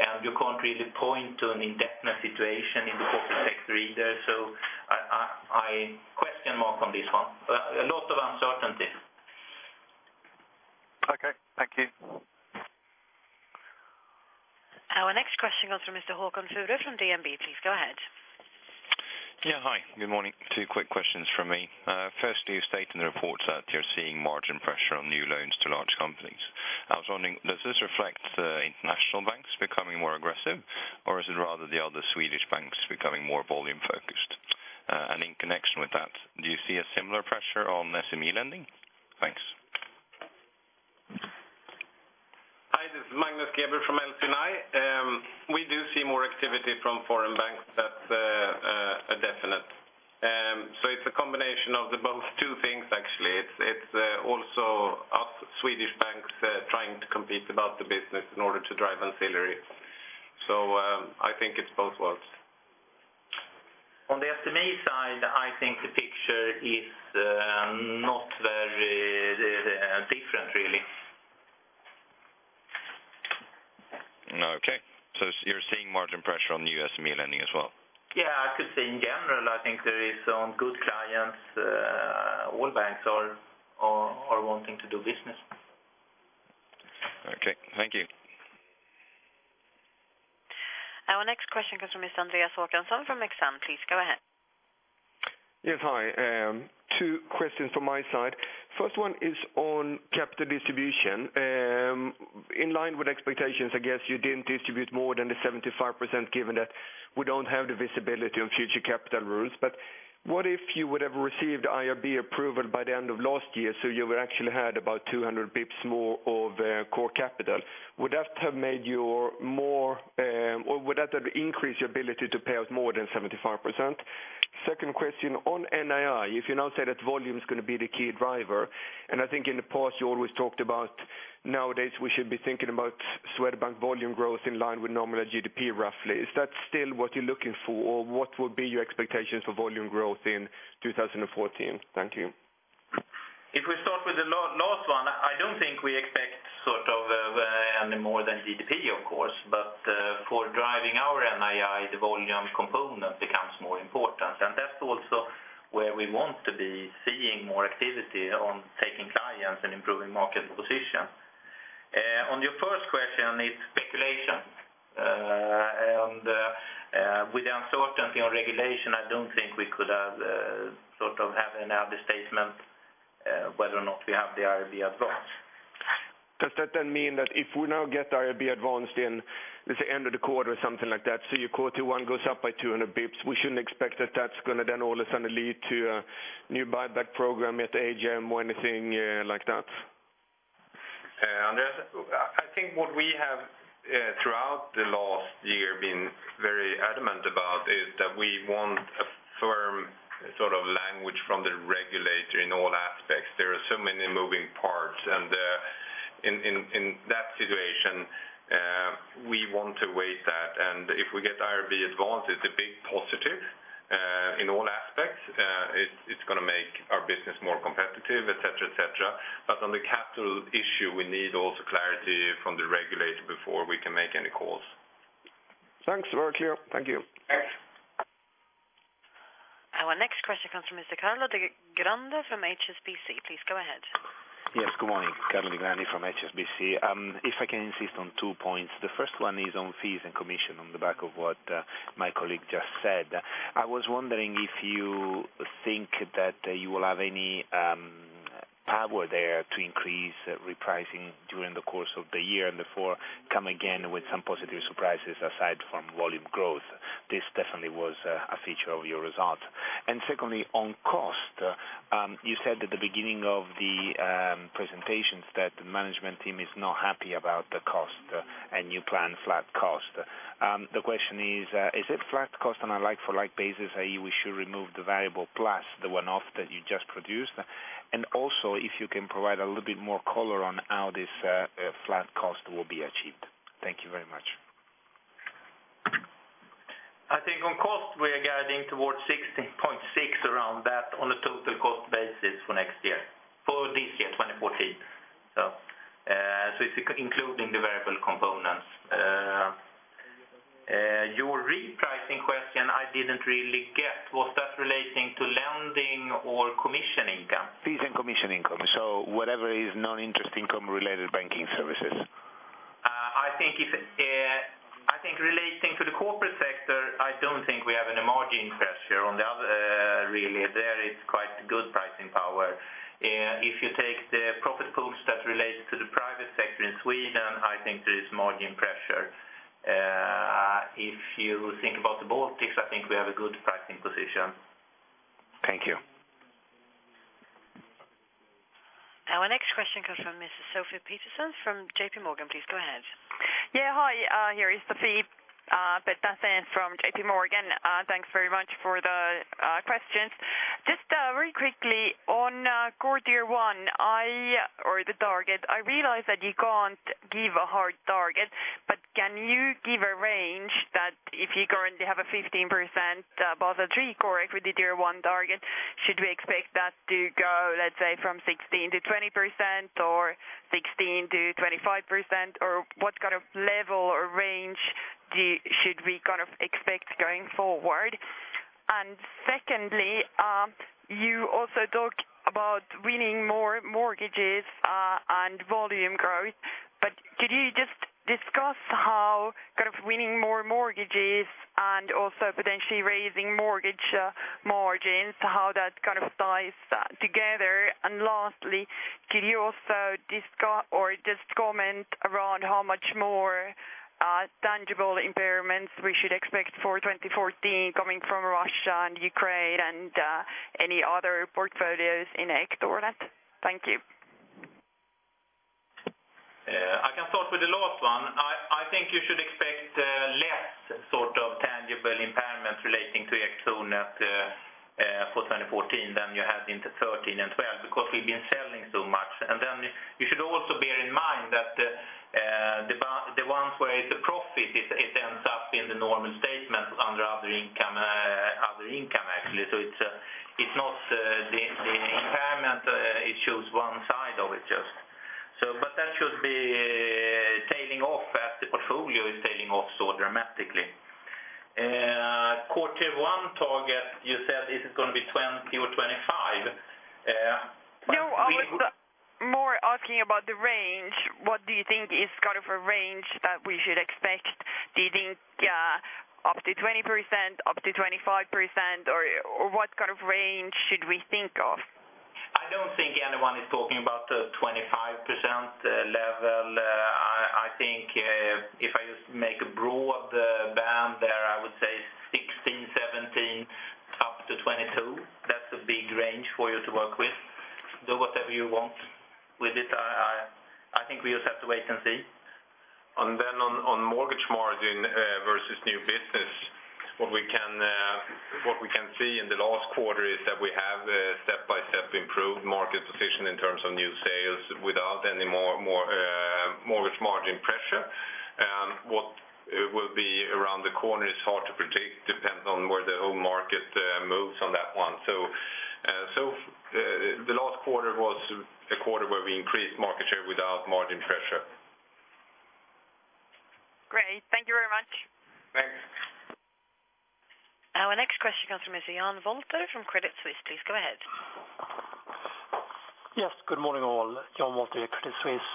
C: and you can't really point to an in-depth situation in the corporate sector either. So I question more from this one. A lot of uncertainty.
M: Okay, thank you.
A: Our next question comes from Mr. Håkon Fure from DNB. Please go ahead.
N: Yeah, hi. Good morning to you... You state in the report that you're seeing margin pressure on new loans to large companies. I was wondering, does this reflect the international banks becoming more aggressive, or is it rather the other Swedish banks becoming more volume focused? And in connection with that, do you see a similar pressure on SME lending? Thanks.
B: Hi, this is Michael. We do see more activity from foreign banks, that's a definite. So it's a combination of the both two things actually. It's also us Swedish banks trying to compete about the business in order to drive ancillary. So I think it's both worlds.
C: On the SME side, I think the picture is not very different, really.
N: Okay. So you're seeing margin pressure on the SME lending as well?
C: Yeah, I could say in general, I think there is some good clients, all banks are wanting to do business.
N: Okay, thank you.
A: Our next question comes from Mr. Andreas Håkansson from Exane. Please go ahead.
O: Yes, hi. Two questions from my side. First one is on capital distribution. In line with expectations, I guess you didn't distribute more than the 75%, given that we don't have the visibility on future capital rules. But what if you would have received IRB approval by the end of last year, so you would actually had about 200 bips more of core capital? Would that have made you more, or would that have increased your ability to pay out more than 75%? Second question on NII, if you now say that volume is gonna be the key driver, and I think in the past, you always talked about nowadays, we should be thinking about Swedbank volume growth in line with nominal GDP, roughly. Is that still what you're looking for? Or what would be your expectations for volume growth in 2014? Thank you.
C: If we start with the last one, I don't think we expect sort of, any more than GDP, of course, but, for driving our NII, the volume component becomes more important. And that's also where we want to be seeing more activity on taking clients and improving market position. On your first question, it's speculation. And, with the uncertainty on regulation, I don't think we could, sort of have another statement, whether or not we have the IRB advanced.
O: Does that then mean that if we now get IRB advanced in, let's say, end of the quarter or something like that, so your quarter one goes up by 200 basis points, we shouldn't expect that that's gonna then all of a sudden lead to a new buyback program at AGM or anything like that?
B: Andreas, I think what we have throughout the last year been very adamant about is that we want a firm sort of language from the regulator in all aspects. There are so many moving parts, and in that situation, we want to weigh that. And if we get IRB advanced, it's a big positive in all aspects. It's gonna make our business more competitive, et cetera, et cetera. But on the capital issue, we need also clarity from the regulator before we can make any calls.
O: Thanks, very clear. Thank you.
A: Our next question comes from Mr. Carlo Digrandi from HSBC. Please go ahead.
P: Yes, good morning, Carlo de Grande from HSBC. If I can insist on two points. The first one is on fees and commission, on the back of what my colleague just said. I was wondering if you think that you will have any power there to increase repricing during the course of the year and therefore come again with some positive surprises, aside from volume growth. This definitely was a feature of your result. And secondly, on cost, you said at the beginning of the presentations that the management team is not happy about the cost, and you plan flat cost. The question is, is it flat cost on a like-for-like basis, i.e., we should remove the variable plus the one-off that you just produced? Also, if you can provide a little bit more color on how this flat cost will be achieved? Thank you very much.
C: I think on cost, we are guiding towards 16.6, around that, on a total cost basis for next year, for this year, 2014. So, so it's including the variable components. Your repricing question, I didn't really get. Was that relating to lending or commission income?
P: Fees and commission income, so whatever is non-interest income-related banking services.
C: I think if I think relating to the corporate sector, I don't think we have any margin pressure on the other, really. There is quite good pricing power. If you take the profit pools that relates to the private sector in Sweden, I think there is margin pressure. If you think about the Baltics, I think we have a good pricing position.
P: Thank you.
A: Our next question comes from Mrs. Sofie Peterzens from JPMorgan. Please go ahead.
Q: Yeah, hi, here is Sofie Peterzens from JPMorgan. Thanks very much for the questions. Just very quickly, on core tier one, I... or the target, I realize that you can't give a hard target, but can you give a range that if you currently have a 15%, Basel III core equity tier one target, should we expect that to go, let's say, from 16%-20% or 16%-25%? Or what kind of level or range do, should we kind of expect going forward? And secondly, you also talked about winning more mortgages and volume growth. But could you just discuss how kind of winning more mortgages and also potentially raising mortgage margins, how that kind of ties together? And lastly, could you also discuss or just comment around how much more, tangible impairments we should expect for 2014 coming from Russia and Ukraine and, any other portfolios in Ektornet? Thank you.
C: I can start with the last one. I think you should expect less sort of tangible impairments relating to Ektornet for 2014 than you had in 2013 and 2012, because we've been selling so much. And then you should also bear in mind that the ones where it's a profit, it ends up in the normal statement under other income, other income, actually. So it's not the impairment it shows one side of it, just. But that should be tailing off as the portfolio is tailing off so dramatically. Quarter one target, you said this is gonna be 20 or 25.
Q: No, I was more asking about the range. What do you think is kind of a range that we should expect? Do you think up to 20%, up to 25%, or what kind of range should we think of?
C: I don't think anyone is talking about the 25% level. I think, if I just make a broad band there, I would say 16, 17, up to 22. That's a big range for you to work with. Do whatever you want with it. I think we just have to wait and see.
B: And then on mortgage margin versus new business, what we can see in the last quarter is that we have a step-by-step improved market position in terms of new sales without any more, more, mortgage margin pressure. And what will be around the corner is hard to predict. It depends on where the whole market moves on that one. So, so the last quarter was a quarter where we increased market share without margin pressure.
Q: Great. Thank you very much.
B: Thanks.
A: Our next question comes from Mr. Jan Wolter from Credit Suisse. Please go ahead.
R: Yes, good morning, all. Jan Wolter, Credit Suisse.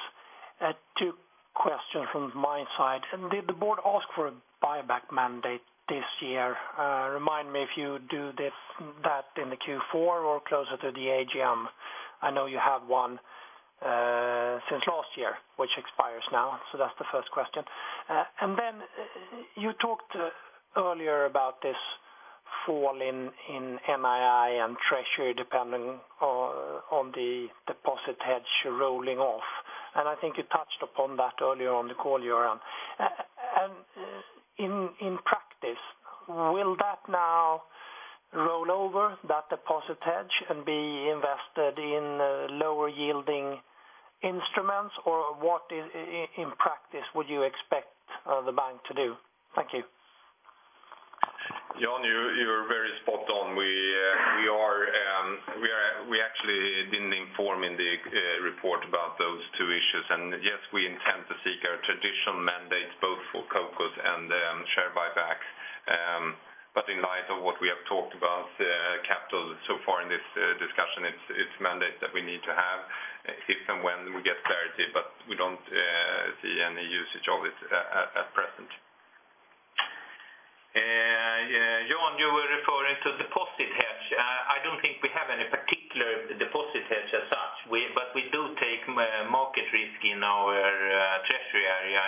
R: Two questions from my side. Did the board ask for a buyback mandate this year? Remind me if you do this, that in the Q4 or closer to the AGM. I know you have one, since last year, which expires now. So that's the first question. And then you talked earlier about this fall in NII and treasury, depending on the deposit hedge rolling off. I think you touched upon that earlier on the call, Göran. In practice, will that now roll over that deposit hedge and be invested in lower yielding instruments? Or what, in practice, would you expect the bank to do? Thank you.
B: Jan, you're very spot on. We actually didn't inform in the report about those two issues. And yes, we intend to seek our traditional mandates both for CoCos and share buyback. But in light of what we have talked about capital so far in this discussion, it's mandate that we need to have, if and when we get clarity, but we don't see any usage of it at present.
C: Jan, you were referring to deposit hedge. I don't think we have any particular deposit hedge as such. But we do take market risk in our treasury area,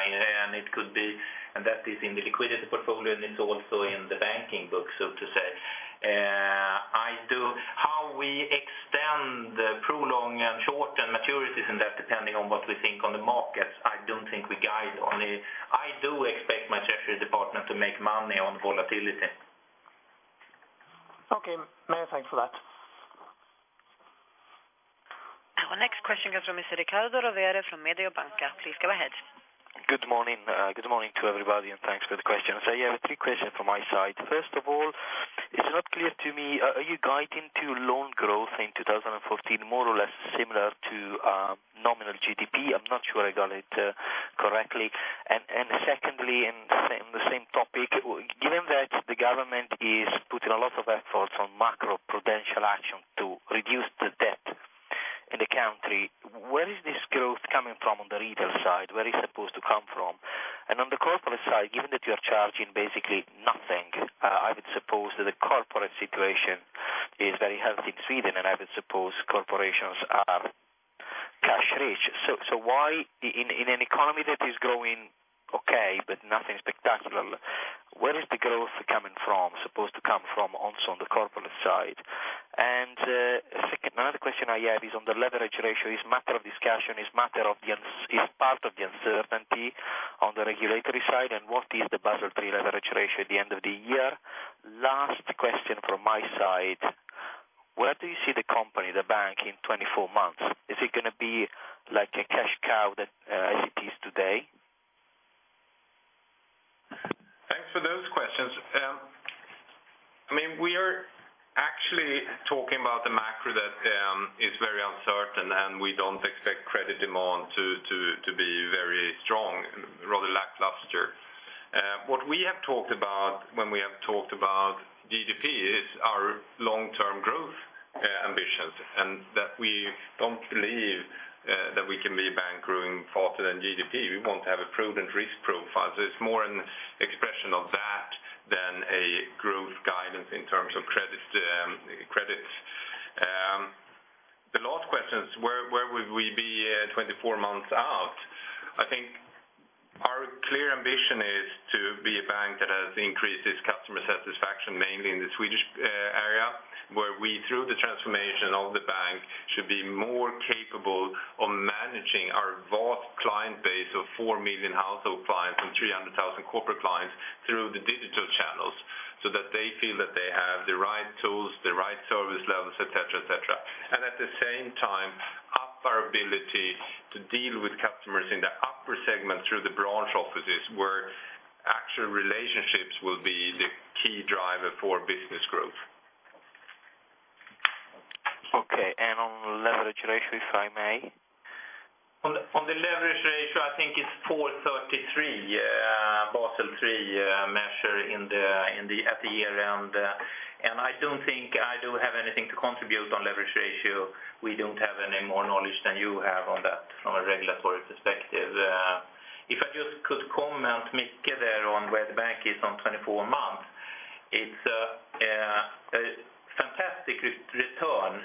C: and it could be, and that is in the liquidity portfolio, and it's also in the banking book, so to say. I do. How we extend the long- and short-term maturities, and that depending on what we think on the markets, I don't think we guide on it. I do expect my treasury department to make money on volatility.
R: Okay, many thanks for that.
A: Our next question comes from Mr. Riccardo Rovere from Mediobanca. Please go ahead.
S: Good morning. Good morning to everybody, and thanks for the questions. I have three questions from my side. First of all, it's not clear to me, are you guiding to loan growth in 2014, more or less similar to nominal GDP? I'm not sure I got it correctly. And secondly, in the same, the same topic, given that the government is putting a lot of efforts on macro-prudential action to reduce the debt in the country, where is this growth coming from on the retail side? Where is it supposed to come from? And on the corporate side, given that you are charging basically nothing, I would suppose that the corporate situation is very healthy in Sweden, and I would suppose corporations are cash rich. So why in an economy that is growing okay, but nothing spectacular, where is the growth coming from, supposed to come from, also on the corporate side? And second, another question I have is on the leverage ratio. It's a matter of discussion, it's part of the uncertainty on the regulatory side, and what is the Basel III leverage ratio at the end of the year? Last question from my side: Where do you see the company, the bank, in 24 months? Is it gonna be like a cash cow that as it is today?
B: Thanks for those questions. I mean, we are actually talking about the macro that is very uncertain, and we don't expect credit demand to be very-... What we have talked about when we have talked about GDP is our long-term growth ambitions, and that we don't believe that we can be a bank growing faster than GDP. We want to have a prudent risk profile. So it's more an expression of that than a growth guidance in terms of credits, credits. The last question is where would we be 24 months out? I think our clear ambition is to be a bank that has increased its customer satisfaction, mainly in the Swedish area, where we, through the transformation of the bank, should be more capable of managing our vast client base of 4 million household clients and 300,000 corporate clients through the digital channels. So that they feel that they have the right tools, the right service levels, et cetera, et cetera. At the same time, up our ability to deal with customers in the upper segment through the branch offices, where actual relationships will be the key driver for business growth.
S: Okay. And on leverage ratio, if I may?
C: On the leverage ratio, I think it's 4.33, Basel III measure in the at the year-end. And I don't think I do have anything to contribute on leverage ratio. We don't have any more knowledge than you have on that from a regulatory perspective. If I just could comment, Micke, there on where the bank is on 24 months, it's a fantastic return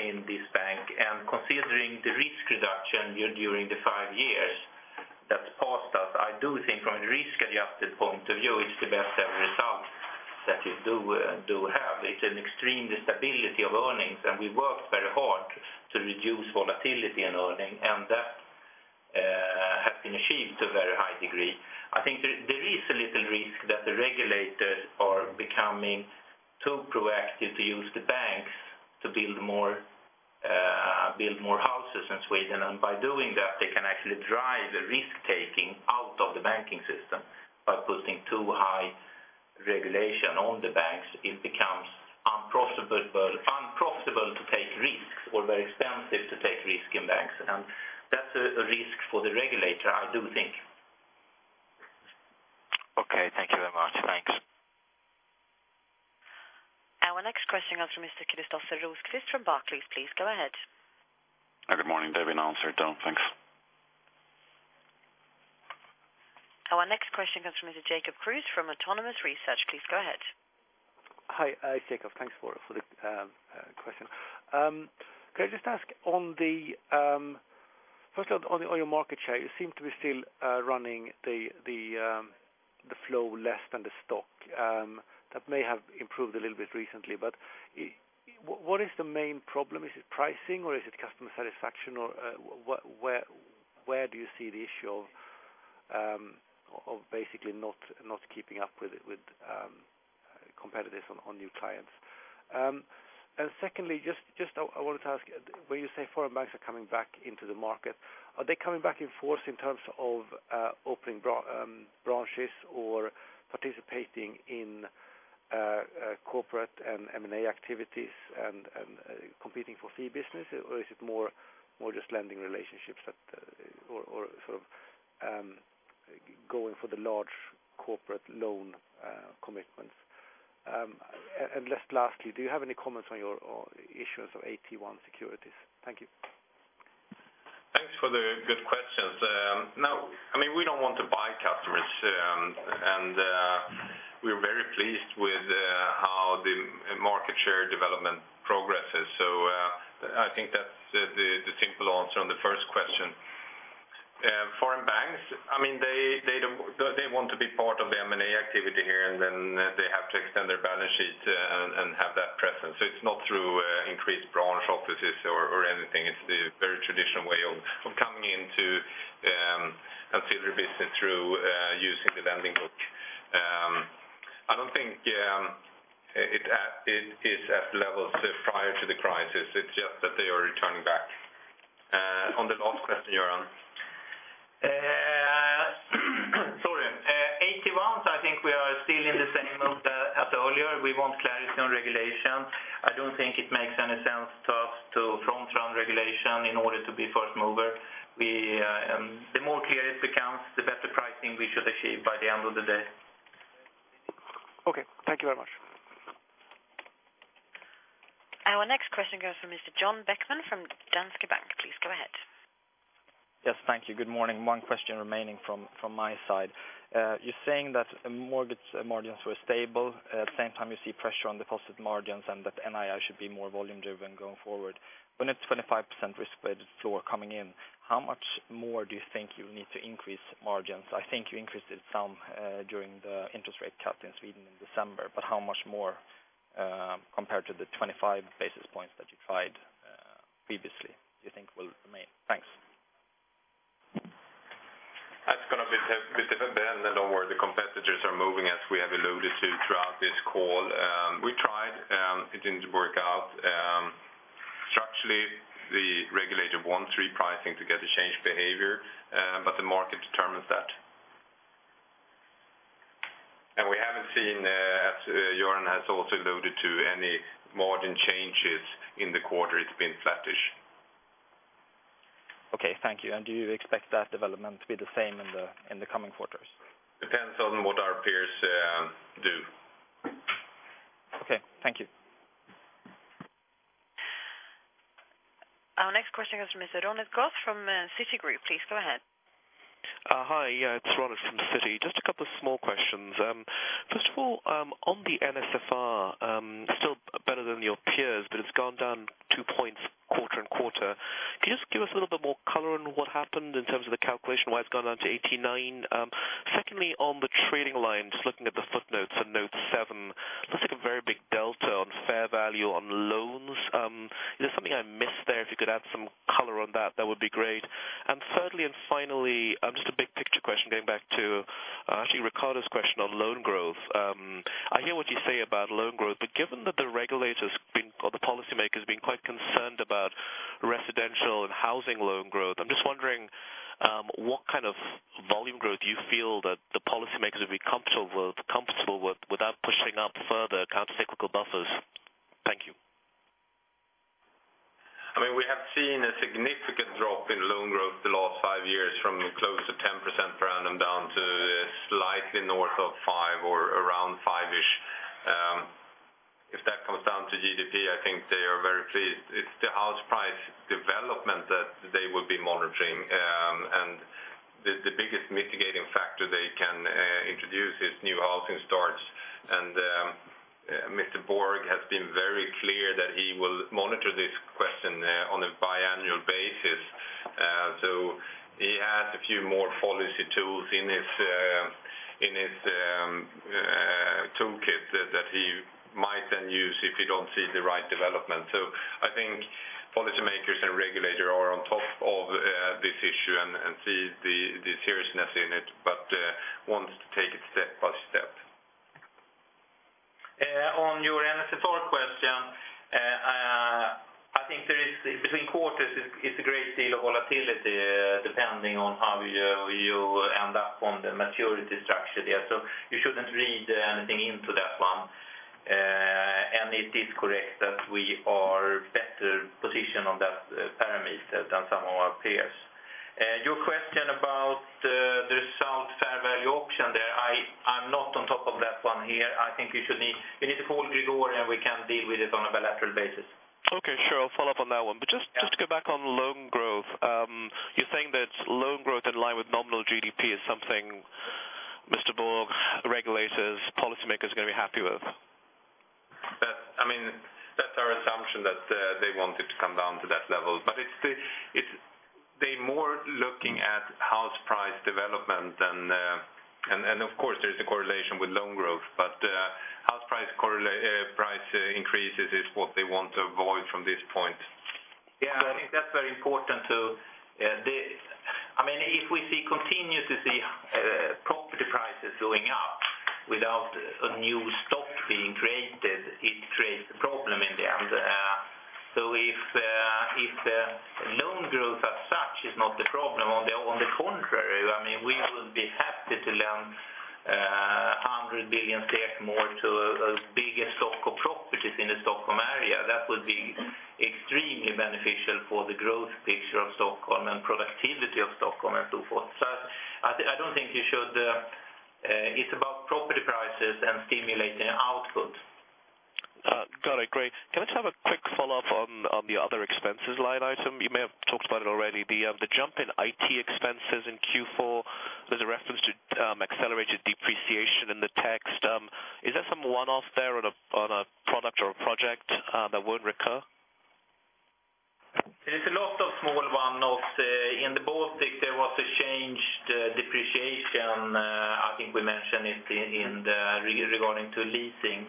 C: in this bank. And considering the risk reduction during the 5 years that's passed us, I do think from a risk-adjusted point of view, it's the best ever result that you do have. It's an extreme stability of earnings, and we worked very hard to reduce volatility in earnings, and that has been achieved to a very high degree. I think there is a little risk that the regulators are becoming too proactive to use the banks to build more houses in Sweden. And by doing that, they can actually drive the risk-taking out of the banking system. By putting too high regulation on the banks, it becomes unprofitable to take risks or very expensive to take risks in banks. And that's a risk for the regulator, I do think.
S: Okay, thank you very much. Thanks.
A: Our next question comes from Mr. Kristofer Plavnieks from Barclays. Please go ahead.
T: Good morning. They've been answered. Thanks.
A: Our next question comes from Mr. Jacob Kruse from Autonomous Research. Please go ahead.
U: Hi, Jacob. Thanks for the question. Can I just ask on the first of all, on your market share, you seem to be still running the flow less than the stock. That may have improved a little bit recently, but what is the main problem? Is it pricing, or is it customer satisfaction, or what, where do you see the issue of basically not keeping up with competitors on new clients? And secondly, I wanted to ask, when you say foreign banks are coming back into the market, are they coming back in force in terms of opening branches or participating in corporate and M&A activities and competing for fee business? Or is it more, more just lending relationships that, or, or sort of, going for the large corporate loan commitments? And just lastly, do you have any comments on your issuance of AT1 securities? Thank you.
B: Thanks for the good questions. Now, I mean, we don't want to buy customers, and we're very pleased with how the market share development progresses. So, I think that's the simple answer on the first question. Foreign banks, I mean, they want to be part of the M&A activity here, and then they have to extend their balance sheet, and have that presence. So it's not through increased branch offices or anything. It's the very traditional way of coming into consider business through using the lending book. I don't think it is at the levels prior to the crisis. It's just that they are returning back. On the last question, Göran.
C: AT1, I think we are still in the same mode as earlier. We want clarity on regulation. I don't think it makes any sense to us to front-run regulation in order to be first mover. We, the more clear it becomes, the better pricing we should achieve by the end of the day.
U: Okay. Thank you very much.
A: Our next question goes to Mr. Jacob Beckman from Danske Bank. Please go ahead.
V: Yes, thank you. Good morning. One question remaining from, from my side. You're saying that mortgage margins were stable. At the same time, you see pressure on the cost of margins and that NII should be more volume-driven going forward. When a 25% risk-weighted floor coming in, how much more do you think you need to increase margins? I think you increased it some during the interest rate cut in Sweden in December, but how much more, compared to the 25 basis points that you tried previously, do you think will remain? Thanks.
B: That's gonna be dependent on where the competitors are moving, as we have alluded to throughout this call. We tried, it didn't work out. Structurally, the regulator wants repricing to get a change behavior, but the market determines that, as seen, as Göran has also alluded to any margin changes in the quarter, it's been flattish.
V: Okay, thank you. And do you expect that development to be the same in the coming quarters?
B: Depends on what our peers do.
V: Okay, thank you.
A: Our next question comes from Mr. Ronit Ghose from Citigroup. Please go ahead.
W: Hi, yeah, it's Ronit from Citi. Just a couple of small questions. First of all, on the NSFR, still better than your peers, but it's gone down 2 points, quarter and quarter. Can you just give us a little bit more color on what happened in terms of the calculation, why it's gone down to 89? Secondly, on the trading line, just looking at the footnotes on note 7, looks like a very big delta on fair value on loans. Is there something I missed there? If you could add some color on that, that would be great. And thirdly, and finally, just a big picture question, going back to, actually, Riccardo's question on loan growth. I hear what you say about loan growth, but given that the regulators being or the policymakers being quite concerned about residential and housing loan growth, I'm just wondering, what kind of volume growth do you feel that the policymakers would be comfortable with, comfortable with, without pushing up further countercyclical buffers? Thank you.
B: I mean, we have seen a significant drop in loan growth the last five years, from close to 10% per annum, down to slightly north of 5 or around 5-ish. If that comes down to GDP, I think they are very pleased. It's the house price development that they will be monitoring. And the, the biggest mitigating factor they can introduce is new housing starts. And Mr. Borg has been very clear that he will monitor this question on a biannual basis. So he has a few more policy tools in his, in his toolkit that, that he might then use if he don't see the right development. So I think policymakers and regulators are on top of this issue and see the, the seriousness in it, but wants to take it step by step.
C: On your NSFR question, I think there is between quarters a great deal of volatility, depending on how you end up on the maturity structure there. So you shouldn't read anything into that one. And it is correct that we are better positioned on that parameter than some of our peers. Your question about the result fair value option there, I'm not on top of that one here. I think you need to call Gregori, and we can deal with it on a bilateral basis.
W: Okay, sure, I'll follow up on that one.
C: Yeah.
W: But just, just to go back on loan growth. You're saying that loan growth in line with nominal GDP is something Mr. Borg, regulators, policymakers are gonna be happy with?
B: That, I mean, that's our assumption, that they want it to come down to that level. But it's... They're more looking at house price development than... And of course, there's a correlation with loan growth, but house price correlation, price increases is what they want to avoid from this point.
C: Yeah, I think that's very important to the... I mean, if we see continuous property prices going up without a new stock being created, it creates a problem in the end. So if the loan growth as such is not the problem, on the contrary, I mean, we would be happy to loan 100 billion SEK more to a bigger stock of properties in the Stockholm area. That would be extremely beneficial for the growth picture of Stockholm and productivity of Stockholm and so forth. So I don't think you should it's about property prices and stimulating output.
W: Got it. Great. Can I just have a quick follow-up on the other expenses line item? You may have talked about it already. The jump in IT expenses in Q4, there's a reference to accelerated depreciation in the text. Is there some one-off there on a product or a project that would recur?
C: There is a lot of small one-offs. In the Baltic, there was a changed depreciation, I think we mentioned it in the... Regarding to leasing.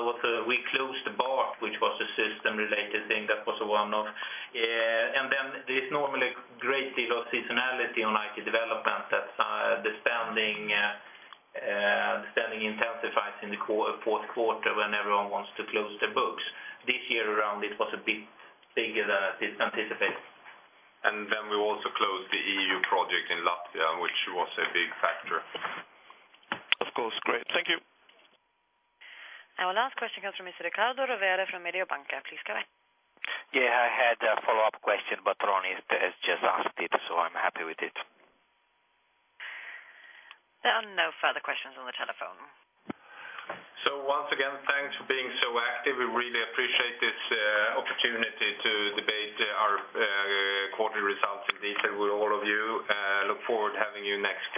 C: Also, we closed Bart, which was a system-related thing, that was a one-off. And then there's normally a great deal of seasonality on IT development, that, the spending intensifies in the fourth quarter when everyone wants to close their books. This year around, it was a bit bigger than anticipated.
B: And then we also closed the EU project in Latvia, which was a big factor.
W: Of course. Great. Thank you.
A: Our last question comes from Mr. Riccardo Rovere from Mediobanca. Please go ahead.
S: Yeah, I had a follow-up question, but Ronnie has just asked it, so I'm happy with it.
A: There are no further questions on the telephone.
B: So once again, thanks for being so active. We really appreciate this opportunity to debate our quarterly results in detail with all of you. Look forward to having you next quarter.